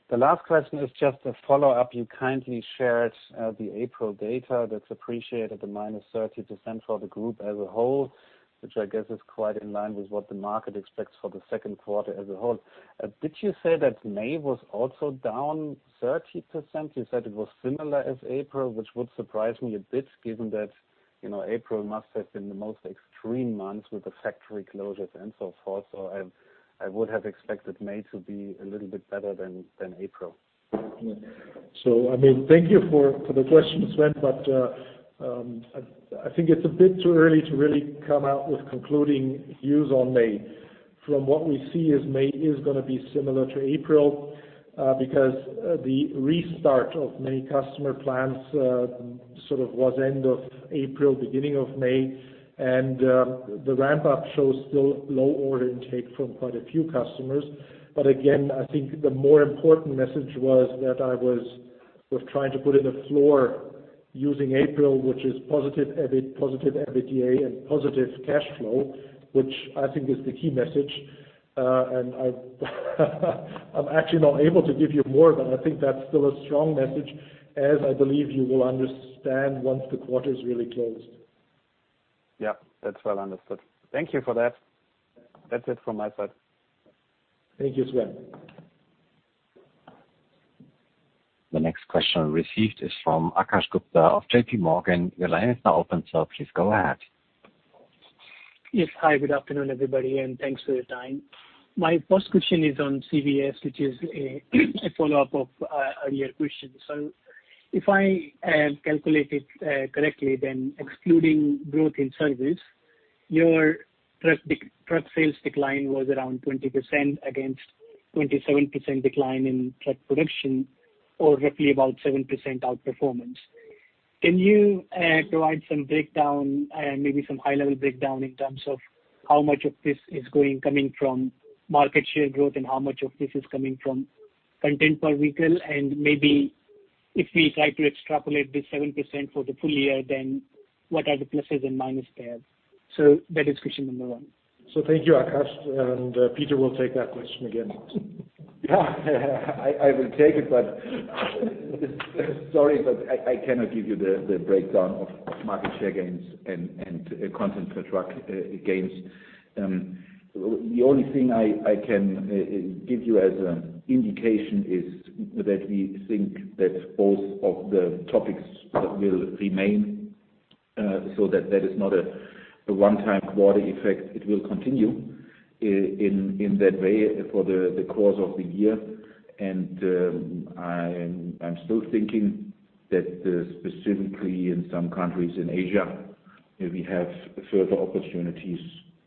The last question is just a follow-up. You kindly shared the April data that's appreciated the -30% for the group as a whole, which I guess is quite in line with what the market expects for the second quarter as a whole. Did you say that May was also down 30%? You said it was similar as April, which would surprise me a bit given that April must have been the most extreme month with the factory closures and so forth. I would have expected May to be a little bit better than April. Thank you for the question, Sven. I think it's a bit too early to really come out with concluding views on May. From what we see is May is going to be similar to April, because the restart of many customer plans sort of was end of April, beginning of May, and the ramp up shows still low order intake from quite a few customers. Again, I think the more important message was that I was trying to put in a floor using April, which is positive EBIT, positive EBITDA, and positive cash flow, which I think is the key message. I'm actually not able to give you more, but I think that's still a strong message, as I believe you will understand once the quarter is really closed. Yeah, that's well understood. Thank you for that. That's it from my side. Thank you, Sven. The next question received is from Akash Gupta of J.P. Morgan. Your line is now open, please go ahead. Yes. Hi, good afternoon, everybody, and thanks for your time. My first question is on CVS, which is a follow-up of earlier question. If I have calculated correctly, then excluding growth in service, your truck sales decline was around 20% against 27% decline in truck production, or roughly about 7% outperformance. Can you provide some breakdown maybe some high-level breakdown in terms of how much of this is coming from market share growth and how much of this is coming from content per vehicle? Maybe if we try to extrapolate the 7% for the full year, then what are the pluses and minus there? That is question number one. Thank you, Akash, and Peter will take that question again. Yeah. I will take it. Sorry, but I cannot give you the breakdown of market share gains and content per truck gains. The only thing I can give you as an indication is that we think that both of the topics will remain, so that is not a one-time quarter effect. It will continue in that way for the course of the year. I'm still thinking Specifically in some countries in Asia, where we have further opportunities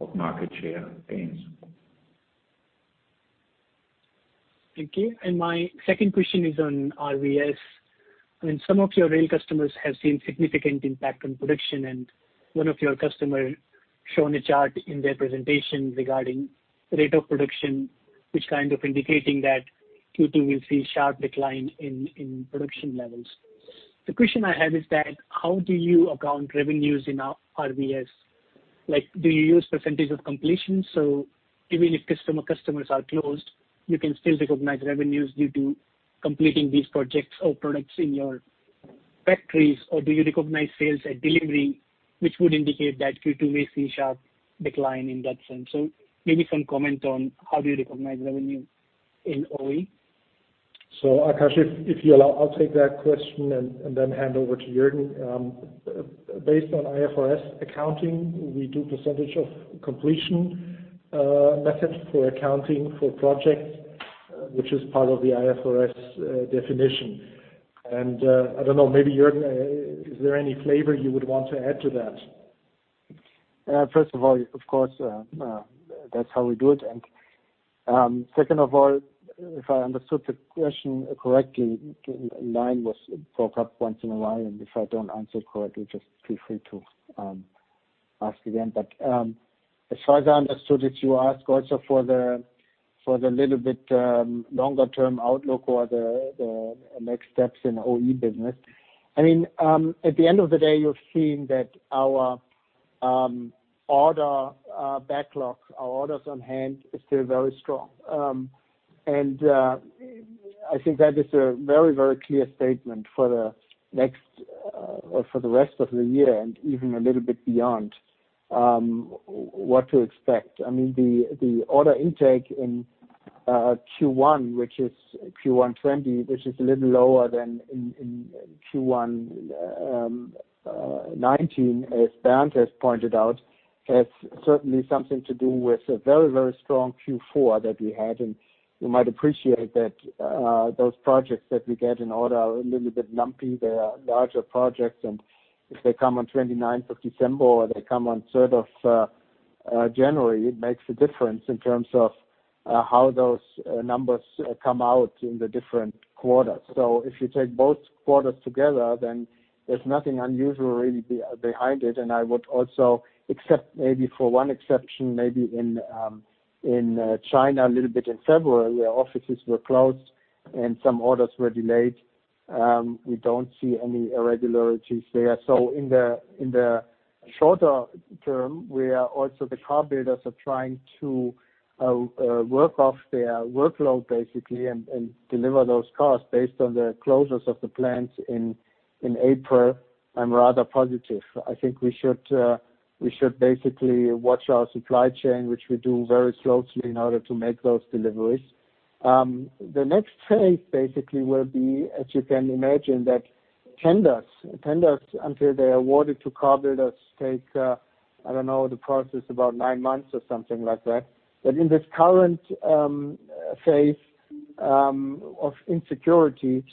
of market share gains. Thank you. My second question is on RVS. Some of your rail customers have seen significant impact on production, and one of your customer shown a chart in their presentation regarding rate of production, which kind of indicating that Q2 will see sharp decline in production levels. The question I have is that how do you account revenues in RVS? Do you use percentage of completion, so even if some customers are closed, you can still recognize revenues due to completing these projects or products in your factories? Do you recognize sales at delivery, which would indicate that Q2 may see sharp decline in that sense? Maybe some comment on how do you recognize revenue in OE. Akash, if you allow, I'll take that question and then hand over to Juergen. Based on IFRS accounting, we do percentage of completion method for accounting for projects, which is part of the IFRS definition. I don't know, maybe Juergen, is there any flavor you would want to add to that? First of all, of course, that's how we do it. Second of all, if I understood the question correctly, line was broke up once in a while, and if I don't answer correctly, just feel free to ask again. As far as I understood it, you ask also for the little bit longer term outlook or the next steps in OE business. At the end of the day, you're seeing that our order backlog, our orders on hand, is still very strong. I think that is a very clear statement for the rest of the year and even a little bit beyond, what to expect. The order intake in Q1 2020, which is a little lower than in Q1 2019, as Bernd has pointed out, has certainly something to do with a very strong Q4 that we had. You might appreciate that those projects that we get in order are a little bit lumpy. They are larger projects, and if they come on 29th of December or they come on 3rd of January, it makes a difference in terms of how those numbers come out in the different quarters. If you take both quarters together, there's nothing unusual really behind it. I would also accept maybe for one exception, maybe in China a little bit in February, where offices were closed and some orders were delayed. We don't see any irregularities there. In the shorter term, where also the car builders are trying to work off their workload, basically, and deliver those cars based on the closures of the plants in April, I'm rather positive. I think we should basically watch our supply chain, which we do very closely in order to make those deliveries. The next phase basically will be, as you can imagine, that tenders until they are awarded to car builders take, I don't know, the process about nine months or something like that. In this current phase of insecurity,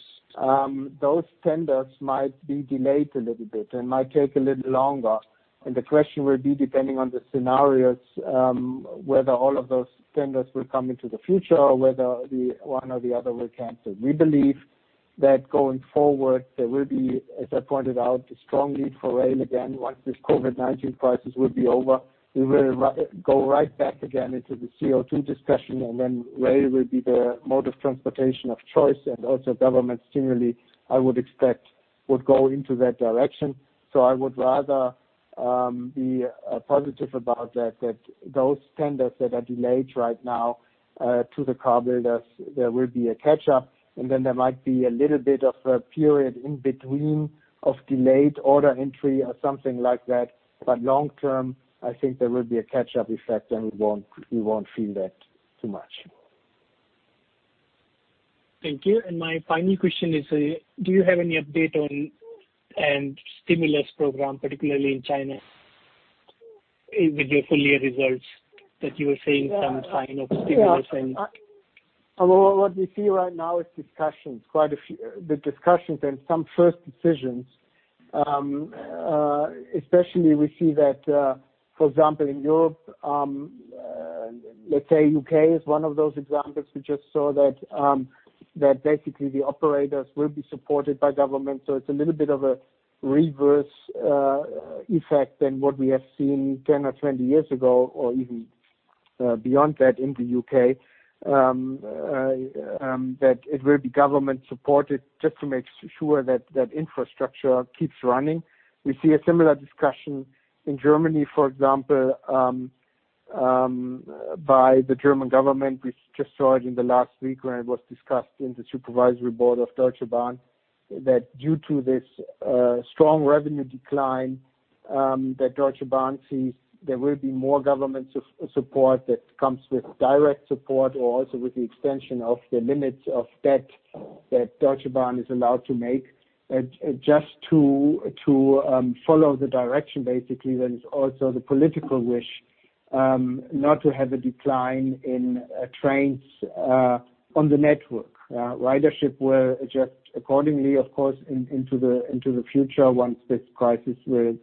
those tenders might be delayed a little bit and might take a little longer. The question will be, depending on the scenarios, whether all of those tenders will come into the future or whether the one or the other will cancel. We believe that going forward, there will be, as I pointed out, a strong need for rail again. Once this COVID-19 crisis will be over, we will go right back again into the CO2 discussion, then rail will be the mode of transportation of choice. Also government stimuli, I would expect, would go into that direction. I would rather be positive about that those tenders that are delayed right now to the car builders, there will be a catch-up, and then there might be a little bit of a period in between of delayed order entry or something like that. Long term, I think there will be a catch-up effect and we won't feel that too much. Thank you. My final question is, do you have any update on stimulus program, particularly in China, with your full year results that you were saying some sign of stimulus? What we see right now is the discussions and some first decisions. Especially we see that, for example, in Europe, let's say U.K. is one of those examples. We just saw that basically the operators will be supported by government. It's a little bit of a reverse effect than what we have seen 10 or 20 years ago or even beyond that in the U.K., that it will be government supported just to make sure that that infrastructure keeps running. We see a similar discussion in Germany, for example, by the German government. We just saw it in the last week when it was discussed in the supervisory board of Deutsche Bahn, that due to this strong revenue decline that Deutsche Bahn sees, there will be more government support that comes with direct support or also with the extension of the limits of debt that Deutsche Bahn is allowed to make just to follow the direction basically, that is also the political wish. Not to have a decline in trains on the network. Ridership will adjust accordingly, of course, into the future once this crisis will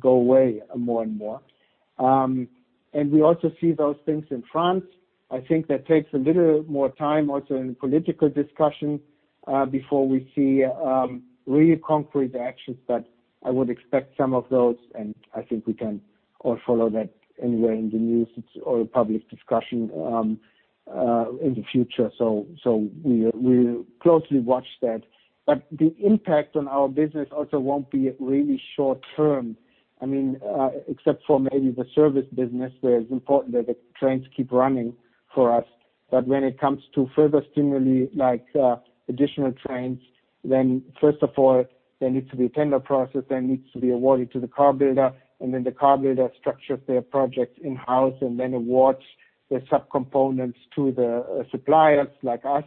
go away more and more. We also see those things in France. I think that takes a little more time also in political discussion, before we see really concrete actions. I would expect some of those, and I think we can all follow that anyway in the news or public discussion in the future. We closely watch that. The impact on our business also won't be really short term. Except for maybe the service business, where it's important that the trains keep running for us. When it comes to further stimuli like additional trains, first of all, there needs to be a tender process that needs to be awarded to the car builder, and then the car builder structures their project in-house and then awards the subcomponents to the suppliers like us.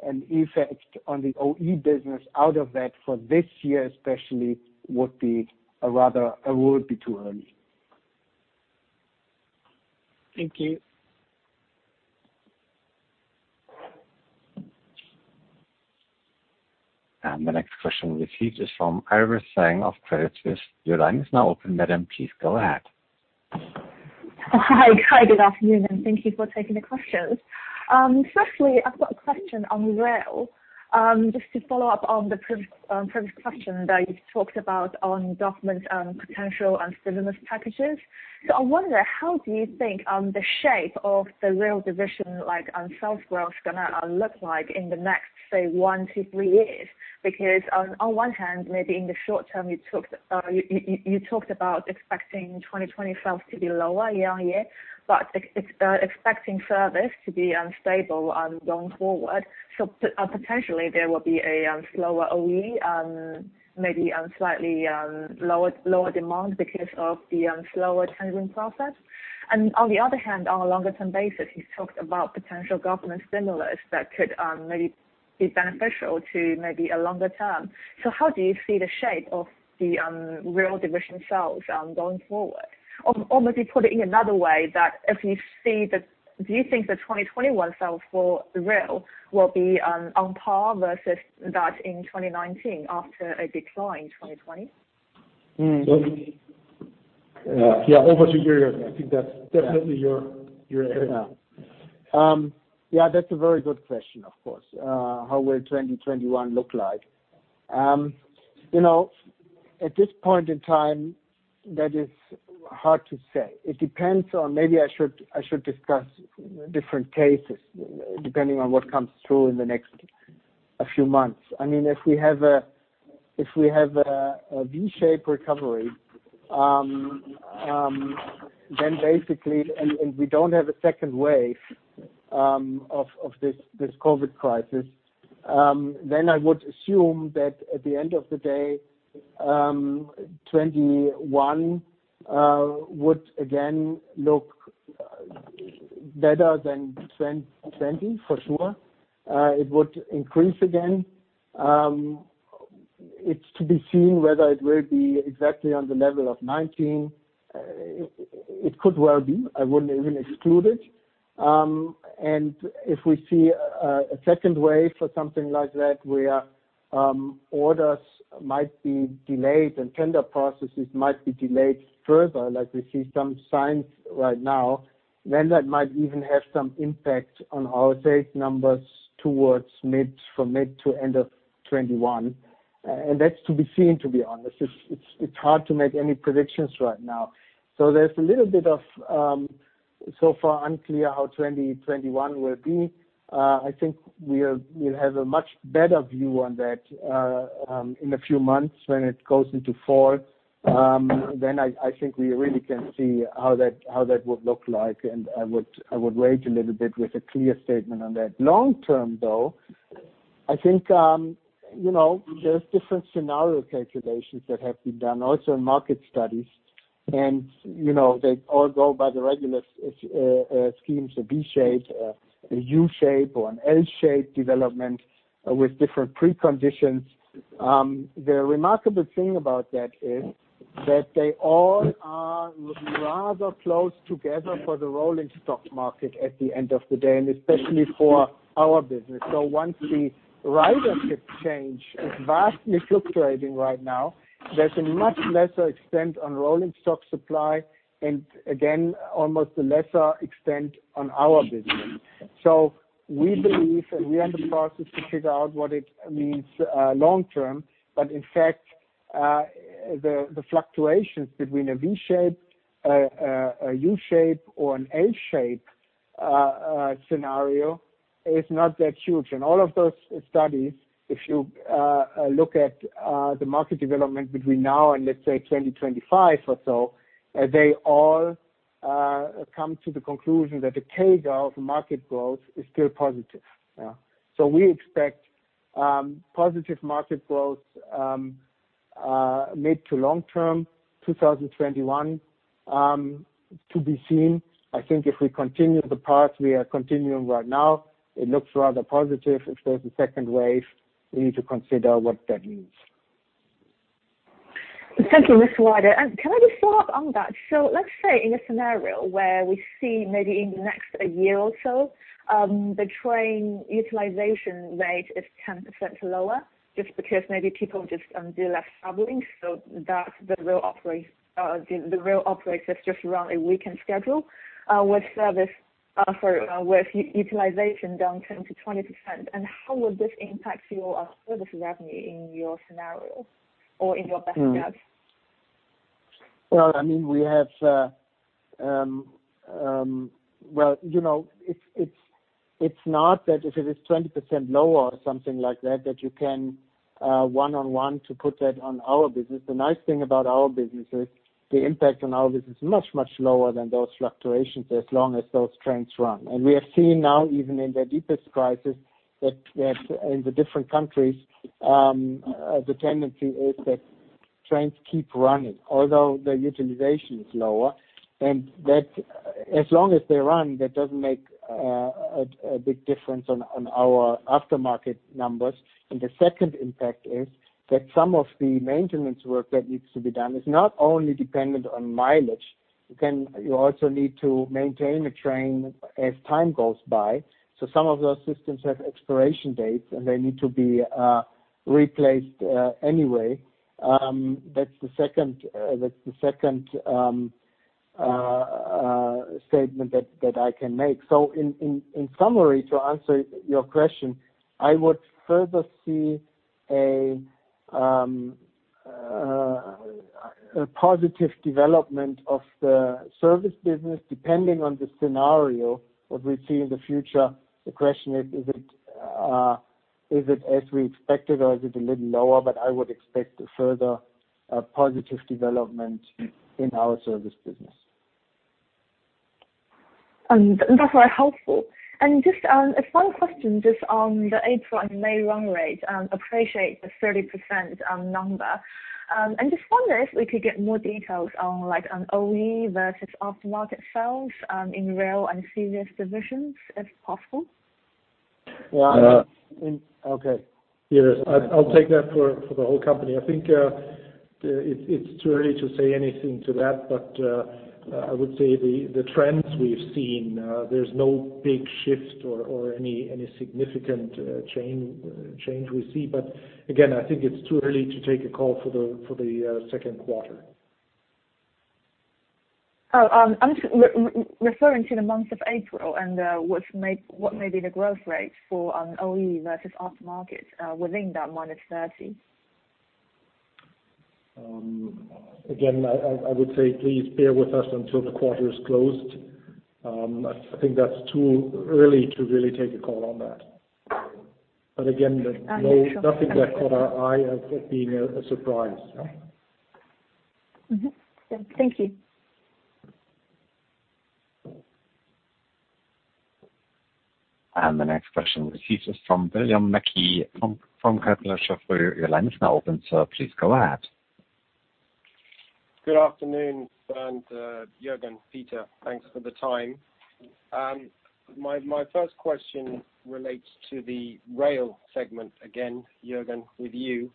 An effect on the OE business out of that for this year especially would be too early. Thank you. The next question we'll receive is from Iris Zheng of Credit Suisse. Your line is now open, madam. Please go ahead. Hi, good afternoon, and thank you for taking the questions. Firstly, I've got a question on rail. Just to follow up on the previous question that you talked about on government potential and stimulus packages. I wonder, how do you think the shape of the rail division and sales growth is going to look like in the next, say, 1-3 years? Because on one hand, maybe in the short term, you talked about expecting 2020 sales to be lower year-on-year, but expecting service to be stable going forward. Potentially there will be a slower OE, maybe slightly lower demand because of the slower tendering process. On the other hand, on a longer term basis, you talked about potential government stimulus that could maybe be beneficial to maybe a longer term. How do you see the shape of the rail division sales going forward? Maybe put it in another way, do you think the 2021 sales for rail will be on par versus that in 2019 after a decline in 2020? Yeah. Over to you, Juergen. I think that's definitely your area. Yeah. That's a very good question, of course. How will 2021 look like? At this point in time, that is hard to say. Maybe I should discuss different cases, depending on what comes through in the next few months. If we have a V-shaped recovery, and we don't have a second wave of this COVID crisis, then I would assume that at the end of the day, 2021 would again look better than 2020, for sure. It would increase again. It's to be seen whether it will be exactly on the level of 2019. It could well be. I wouldn't even exclude it. If we see a second wave or something like that, where orders might be delayed and tender processes might be delayed further, like we see some signs right now, then that might even have some impact on our sales numbers from mid to end of 2021. That's to be seen, to be honest. It's hard to make any predictions right now. There's a little bit of, so far unclear how 2021 will be. I think we'll have a much better view on that in a few months when it goes into fall. I think we really can see how that would look like, and I would wait a little bit with a clear statement on that. Long term, though, I think there's different scenario calculations that have been done, also in market studies. They all go by the regular schemes, a V shape, a U shape, or an L shape development with different preconditions. The remarkable thing about that is that they all are rather close together for the rolling stock market at the end of the day, and especially for our business. Once the ridership change is vastly fluctuating right now, there's a much lesser extent on rolling stock supply, and again, almost a lesser extent on our business. We believe, and we are in the process to figure out what it means long term. In fact, the fluctuations between a V shape, a U shape, or an L shape scenario is not that huge. All of those studies, if you look at the market development between now and let's say 2025 or so, they all come to the conclusion that the tail of market growth is still positive. We expect positive market growth mid to long term, 2021. To be seen. I think if we continue the path we are continuing right now, it looks rather positive. If there's a second wave, we need to consider what that means. Thank you, Mr. Wilder. Can I just follow up on that? Let's say in a scenario where we see maybe in the next year or so, the train utilization rate is 10% lower, just because maybe people just do less traveling, so the rail operates just around a weekend schedule, with utilization down 10%-20%. How would this impact your service revenue in your scenario or in your best guess? Well, it's not that if it is 20% lower or something like that you can one-on-one to put that on our business. The nice thing about our business is the impact on our business is much, much lower than those fluctuations as long as those trains run. We have seen now even in the deepest crisis, that in the different countries, the tendency is that trains keep running, although their utilization is lower. That as long as they run, that doesn't make a big difference on our aftermarket numbers. The second impact is that some of the maintenance work that needs to be done is not only dependent on mileage. You also need to maintain a train as time goes by. Some of those systems have expiration dates, and they need to be replaced anyway. That's the second statement that I can make. In summary, to answer your question, I would further see a positive development of the service business depending on the scenario, what we see in the future. The question is it as we expected or is it a little lower? I would expect a further positive development in our service business. That's very helpful. Just a final question just on the April and May run rate, appreciate the 30% number. Just wonder if we could get more details on OE versus aftermarket sales, in rail and CVS divisions if possible. Yeah. Okay. Yes. I'll take that for the whole company. I think it's too early to say anything to that. I would say the trends we've seen, there's no big shift or any significant change we see. Again, I think it's too early to take a call for the second quarter. I'm referring to the month of April and what may be the growth rate for an OE versus aftermarket within that -30%. Again, I would say please bear with us until the quarter is closed. I think that's too early to really take a call on that. I understand. nothing that caught our eye as being a surprise. Mm-hmm. Thank you. The next question received is from William Mackie from Capital. Sir, your line is now open, sir. Please go ahead. Good afternoon. Juergen, Peter, thanks for the time. My first question relates to the rail segment again, Juergen, with you.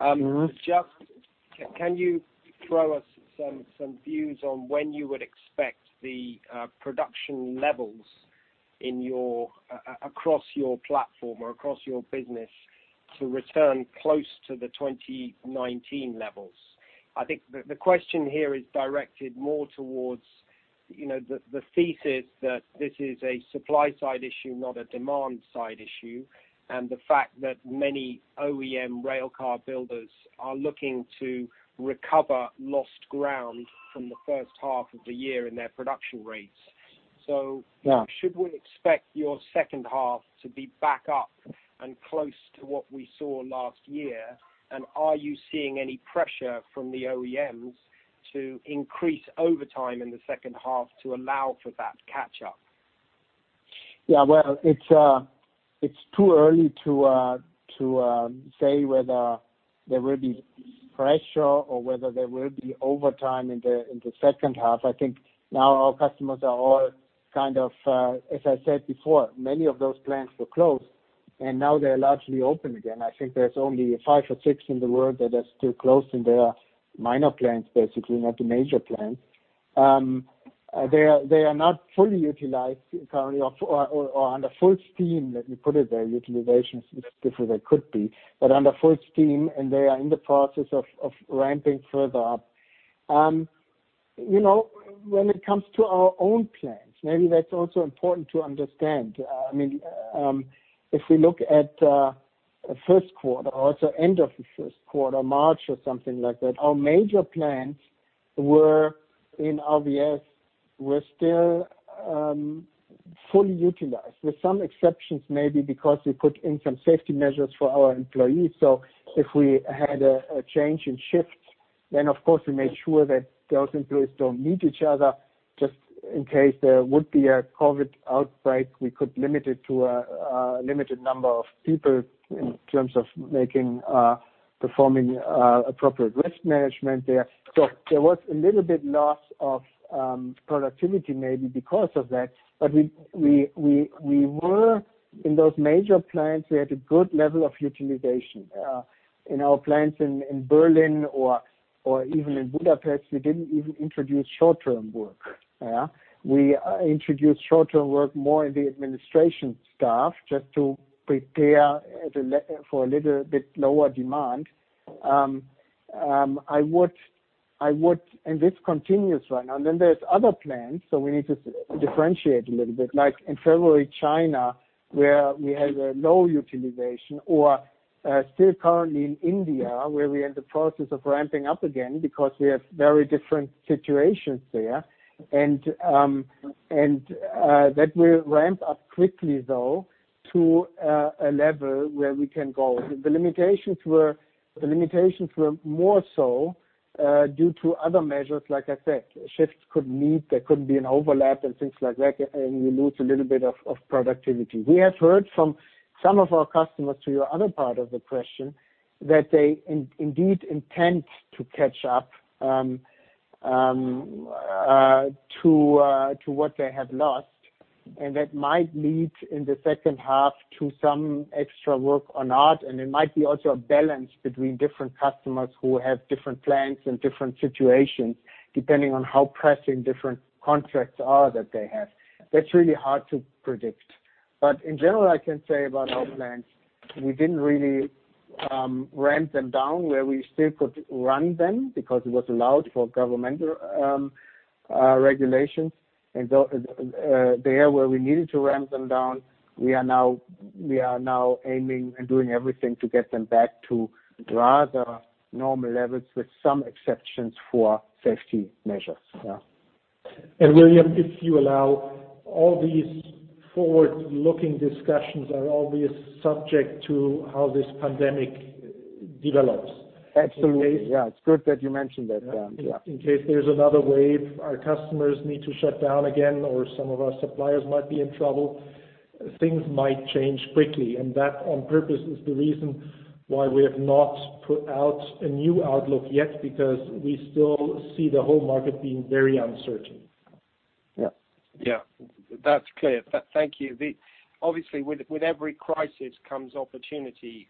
Can you throw us some views on when you would expect the production levels across your platform or across your business to return close to the 2019 levels? I think the question here is directed more towards the thesis that this is a supply side issue, not a demand side issue, and the fact that many OEM rail car builders are looking to recover lost ground from the first half of the year in their production rates. Yeah should we expect your second half to be back up and close to what we saw last year? Are you seeing any pressure from the OEMs to increase overtime in the second half to allow for that catch-up? Yeah. Well, it's too early to say whether there will be pressure or whether there will be overtime in the second half. I think now our customers are all kind of, as I said before, many of those plants were closed, and now they're largely open again. I think there's only five or six in the world that are still closed, and they are minor plants, basically, not the major plants. They are not fully utilized currently or under full steam, let me put it that way. Utilization is different than it could be. Under full steam, and they are in the process of ramping further up. When it comes to our own plants, maybe that's also important to understand. If we look at first quarter or at the end of the first quarter, March or something like that, our major plants were in RVS, were still fully utilized, with some exceptions, maybe because we put in some safety measures for our employees. If we had a change in shifts, then of course we made sure that those employees don't meet each other just in case there would be a COVID outbreak, we could limit it to a limited number of people in terms of performing appropriate risk management there. There was a little bit loss of productivity maybe because of that. We were in those major plants, we had a good level of utilization. In our plants in Berlin or even in Budapest, we didn't even introduce short-time work. We introduced short-time work more in the administration staff, just to prepare for a little bit lower demand. This continues right now. There's other plants, so we need to differentiate a little bit. Like in February, China, where we had a low utilization, or still currently in India, where we are in the process of ramping up again because we have very different situations there. That will ramp up quickly though to a level where we can go. The limitations were more so due to other measures, like I said. Shifts could meet, there could be an overlap and things like that, and we lose a little bit of productivity. We have heard from some of our customers, to your other part of the question, that they indeed intend to catch up to what they have lost. That might lead, in the second half, to some extra work or not, and it might be also a balance between different customers who have different plans and different situations, depending on how pressing different contracts are that they have. That's really hard to predict. In general, I can say about our plants, we didn't really ramp them down where we still could run them because it was allowed for governmental regulations. There where we needed to ramp them down, we are now aiming and doing everything to get them back to rather normal levels with some exceptions for safety measures. Yeah. William, if you allow, all these forward-looking discussions are obvious subject to how this pandemic develops. Absolutely. Yeah. It's good that you mentioned that. Yeah. In case there's another wave, our customers need to shut down again, or some of our suppliers might be in trouble. Things might change quickly, and that on purpose is the reason why we have not put out a new outlook yet, because we still see the whole market being very uncertain. Yeah. That's clear. Thank you. Obviously, with every crisis comes opportunity.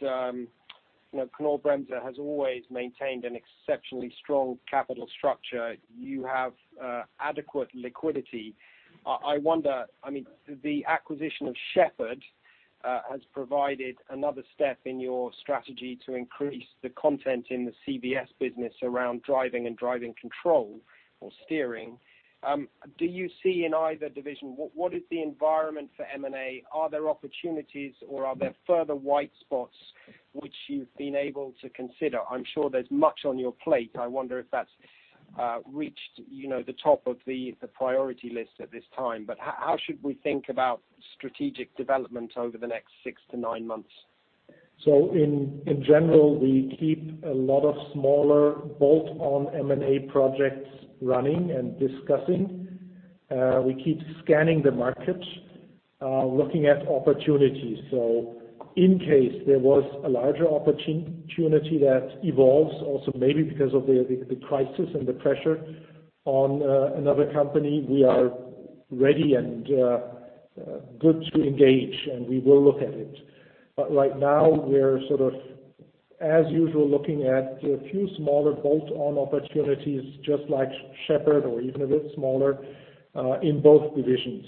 Knorr-Bremse has always maintained an exceptionally strong capital structure. You have adequate liquidity. The acquisition of Sheppard has provided another step in your strategy to increase the content in the CVS business around driving and driving control or steering. Do you see in either division, what is the environment for M&A? Are there opportunities, or are there further white spots which you've been able to consider? I'm sure there's much on your plate. I wonder if that's reached the top of the priority list at this time. How should we think about strategic development over the next six to nine months? In general, we keep a lot of smaller bolt-on M&A projects running and discussing. We keep scanning the market, looking at opportunities. In case there was a larger opportunity that evolves, also maybe because of the crisis and the pressure on another company, we are ready and good to engage, and we will look at it. Right now, we're sort of as usual, looking at a few smaller bolt-on opportunities, just like Sheppard or even a bit smaller, in both divisions.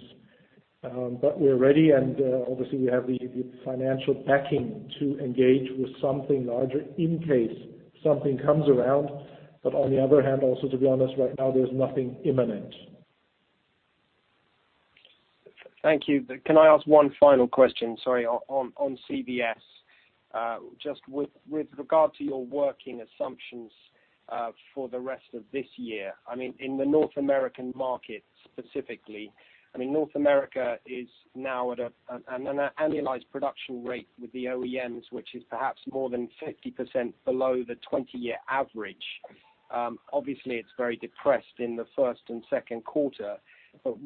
We're ready, and obviously, we have the financial backing to engage with something larger in case something comes around. On the other hand, also, to be honest, right now, there's nothing imminent. Thank you. Can I ask one final question, sorry, on CVS? Just with regard to your working assumptions for the rest of this year. In the North American market specifically, North America is now at an annualized production rate with the OEMs, which is perhaps more than 50% below the 20-year average. Obviously, it's very depressed in the first and second quarter.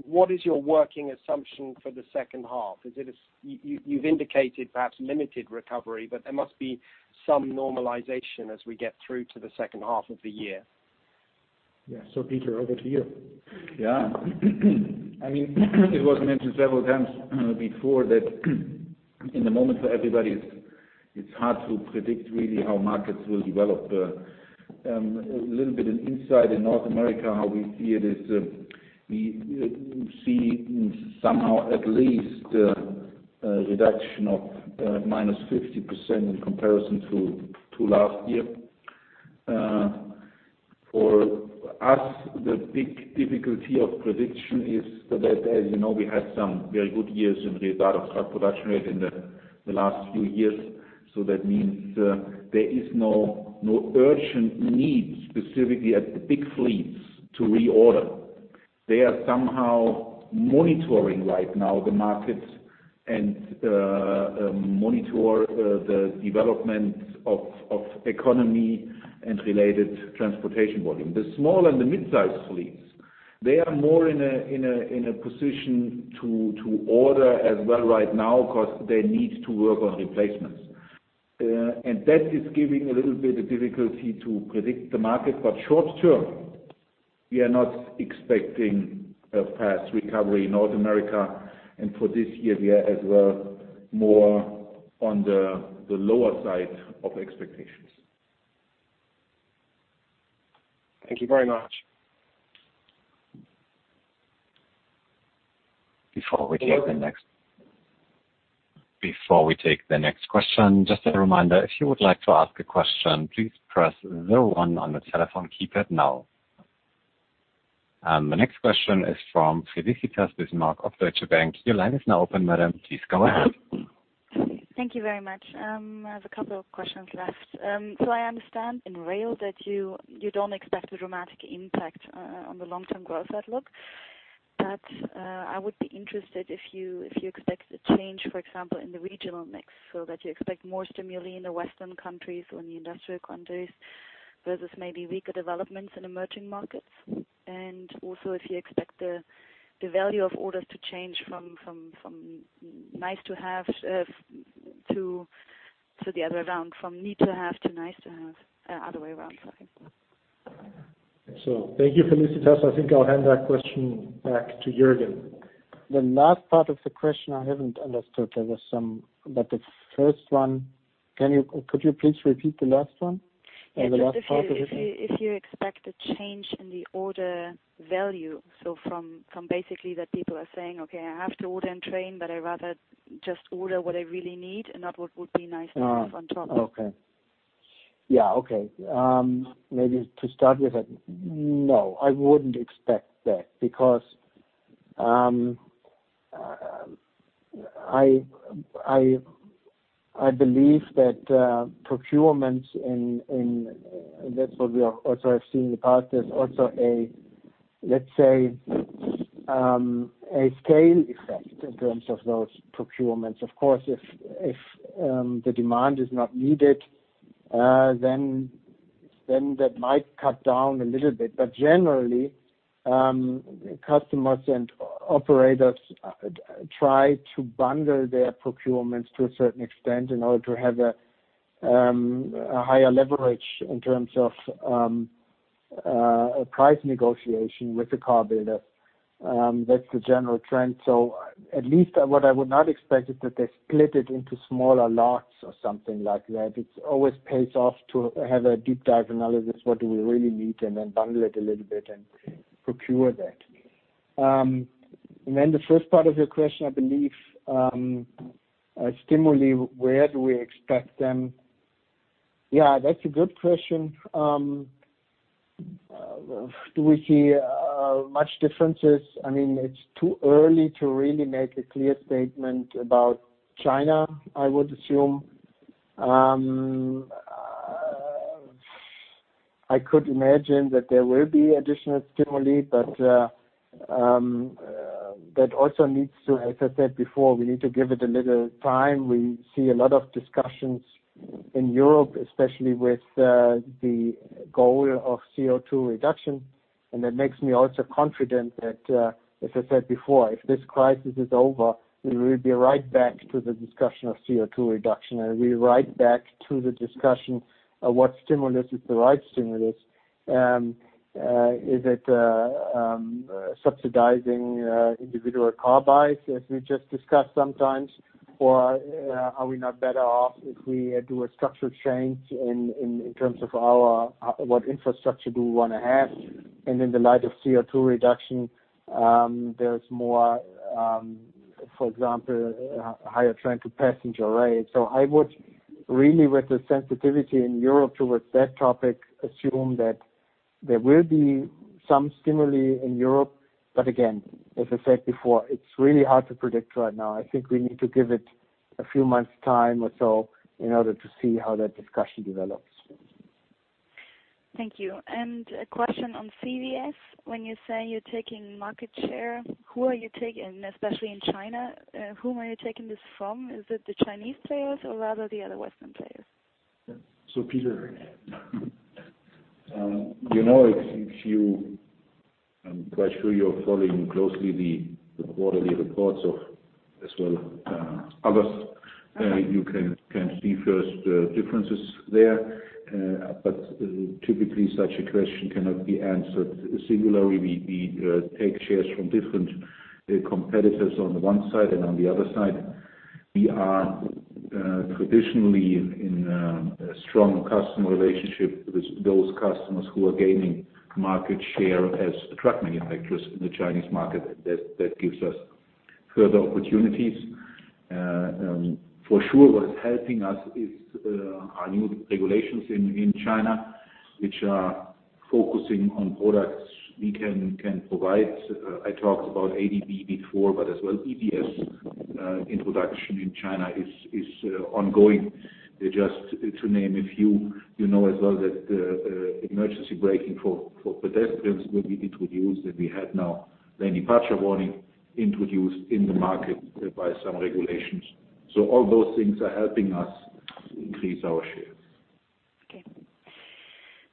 What is your working assumption for the second half? You've indicated perhaps limited recovery, there must be some normalization as we get through to the second half of the year. Yeah. Peter, over to you. Yeah. It was mentioned several times before that in the moment for everybody, it's hard to predict really how markets will develop. A little bit inside in North America, how we see it is we see somehow at least a reduction of -50% in comparison to last year. For us, the big difficulty of prediction is that, as you know, we had some very good years in regard of car production rate in the last few years. That means there is no urgent need specifically at the big fleets to reorder. There are some now monitoring right now the market and monitor the development of economy and related transportation volume. The small and the mid-size fleets, they are more in a position to order as well right now because they need to work on replacements. That is giving a little bit of difficulty to predict the market. Short term, we are not expecting a fast recovery in North America, and for this year, we are as well more on the lower side of expectations. Thank you very much. Before we take the next question, just a reminder, if you would like to ask a question, please press the one on the telephone keypad now. The next question is from Felicitas Bismarck of Deutsche Bank. Your line is now open, madam. Please go ahead. Thank you very much. I have a couple of questions left. I understand in rail that you don't expect a dramatic impact on the long-term growth outlook. I would be interested if you expect a change, for example, in the regional mix, so that you expect more stimuli in the Western countries or in the industrial countries versus maybe weaker developments in emerging markets. Also, if you expect the value of orders to change from nice to have to the other way around, from need to have to nice to have. Other way around, sorry. Thank you, Felicitas. I think I'll hand that question back to Juergen. The last part of the question I haven't understood. Could you please repeat the last one or the last part of it? If you expect a change in the order value, so from basically that people are saying, "Okay, I have to order a train, but I rather just order what I really need and not what would be nice to have on top. Okay. Yeah, okay. Maybe to start with that, no, I wouldn't expect that because I believe that procurements, and that's what we also have seen in the past, there's also, let's say, a scale effect in terms of those procurements. Of course, if the demand is not needed that might cut down a little bit. Generally, customers and operators try to bundle their procurements to a certain extent in order to have a higher leverage in terms of price negotiation with the car builder. That's the general trend. At least what I would not expect is that they split it into smaller lots or something like that. It always pays off to have a deep dive analysis, what do we really need, and then bundle it a little bit and procure that. The first part of your question, I believe, stimuli, where do we expect them? Yeah, that's a good question. Do we see much differences? It's too early to really make a clear statement about China, I would assume. I could imagine that there will be additional stimuli, but that also needs to, as I said before, we need to give it a little time. We see a lot of discussions in Europe, especially with the goal of CO2 reduction. That makes me also confident that, as I said before, if this crisis is over, we will be right back to the discussion of CO2 reduction, and we're right back to the discussion of what stimulus is the right stimulus. Is it subsidizing individual car buys, as we just discussed sometimes, or are we not better off if we do a structural change in terms of what infrastructure do we want to have? In the light of CO2 reduction, there's more, for example, higher trend to passenger rail. I would really, with the sensitivity in Europe towards that topic, assume that there will be some stimuli in Europe. Again, as I said before, it's really hard to predict right now. I think we need to give it a few months time or so in order to see how that discussion develops. Thank you. A question on CVS. When you say you're taking market share, who are you taking, especially in China, whom are you taking this from? Is it the Chinese players or rather the other Western players? Peter. You know, I'm quite sure you're following closely the quarterly reports of as well others. You can see first differences there. Typically, such a question cannot be answered singularly. We take shares from different competitors on one side and on the other side. We are traditionally in a strong customer relationship with those customers who are gaining market share as truck manufacturers in the Chinese market. That gives us further opportunities. For sure, what is helping us is our new regulations in China, which are focusing on products we can provide. I talked about ADB before, as well EBS introduction in China is ongoing. Just to name a few, you know as well that emergency braking for pedestrians will be introduced, we had now lane departure warning introduced in the market by some regulations. All those things are helping us increase our shares. Okay.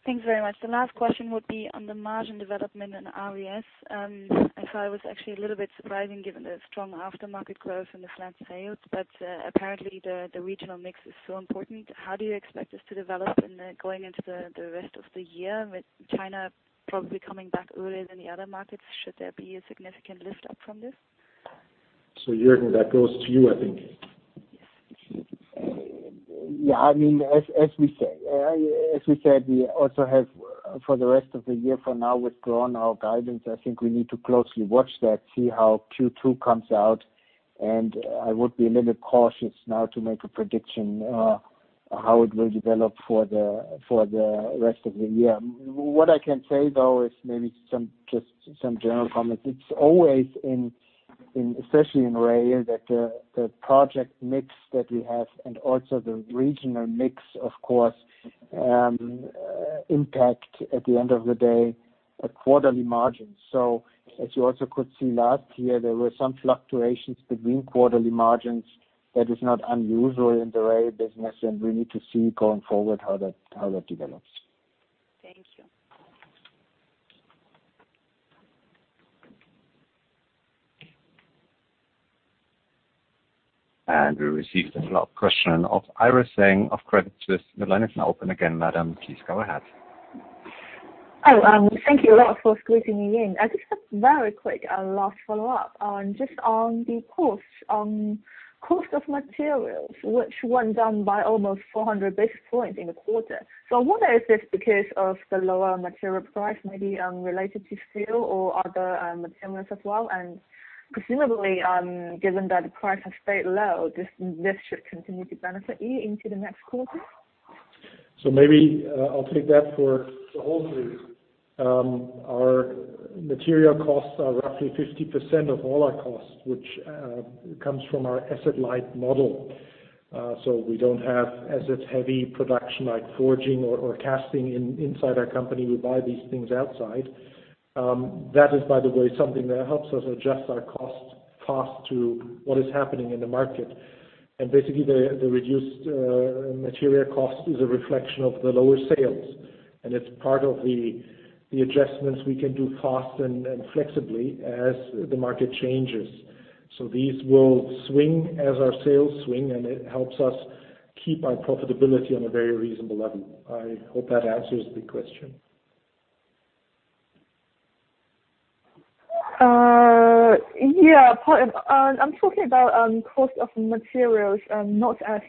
Thanks very much. The last question would be on the margin development in RVS. I thought it was actually a little bit surprising given the strong aftermarket growth and the flat sales, but apparently the regional mix is so important. How do you expect this to develop going into the rest of the year, with China probably coming back earlier than the other markets? Should there be a significant lift up from this? Jürgen, that goes to you, I think. As we said, we also have, for the rest of the year, for now withdrawn our guidance. I think we need to closely watch that, see how Q2 comes out, and I would be a little cautious now to make a prediction on how it will develop for the rest of the year. What I can say, though, is maybe just some general comments. It's always, especially in rail, that the project mix that we have and also the regional mix, of course, impact, at the end of the day, quarterly margins. As you also could see last year, there were some fluctuations between quarterly margins. That is not unusual in the rail business, and we need to see going forward how that develops. Thank you. We received a follow-up question of Iris Zheng of Credit Suisse. The line is now open again, madam. Please go ahead. Oh, thank you a lot for squeezing me in. I just have very quick last follow-up. Just on the cost of materials, which went down by almost 400 basis points in the quarter. I wonder is this because of the lower material price, maybe related to steel or other materials as well, and presumably, given that the price has stayed low, this should continue to benefit you into the next quarter? Maybe I'll take that for the whole group. Our material costs are roughly 50% of all our costs, which comes from our asset-light model. We don't have asset-heavy production like forging or casting inside our company. We buy these things outside. That is, by the way, something that helps us adjust our costs fast to what is happening in the market. Basically, the reduced material cost is a reflection of the lower sales. It's part of the adjustments we can do fast and flexibly as the market changes. These will swing as our sales swing, and it helps us keep our profitability on a very reasonable level. I hope that answers the question. Yeah. I'm talking about cost of materials, not as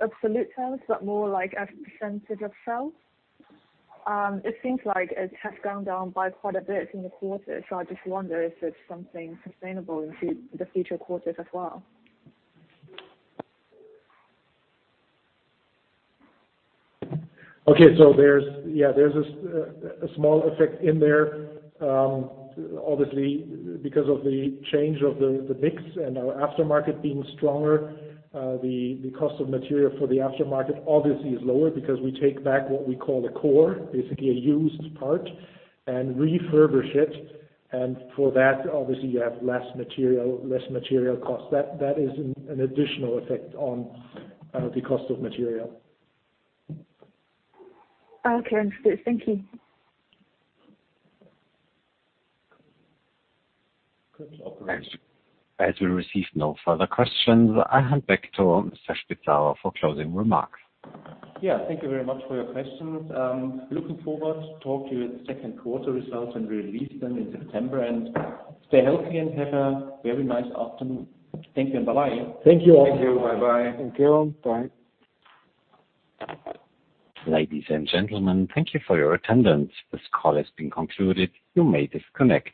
absolute terms, but more like as a percentage of sales. It seems like it has gone down by quite a bit in the quarter. I just wonder if it's something sustainable into the future quarters as well. Okay. There's a small effect in there. Obviously, because of the change of the mix and our aftermarket being stronger, the cost of material for the aftermarket obviously is lower because we take back what we call a core, basically a used part, and refurbish it. For that, obviously, you have less material cost. That is an additional effect on the cost of material. Okay. Understood. Thank you. As we receive no further questions, I hand back to Mr. Spitzauer for closing remarks. Yeah. Thank you very much for your questions. Looking forward to talk to you at second quarter results when we release them in September. Stay healthy and have a very nice afternoon. Thank you and bye-bye. Thank you all. Thank you. Bye-bye. Thank you. Bye. Ladies and gentlemen, thank you for your attendance. This call has been concluded. You may disconnect.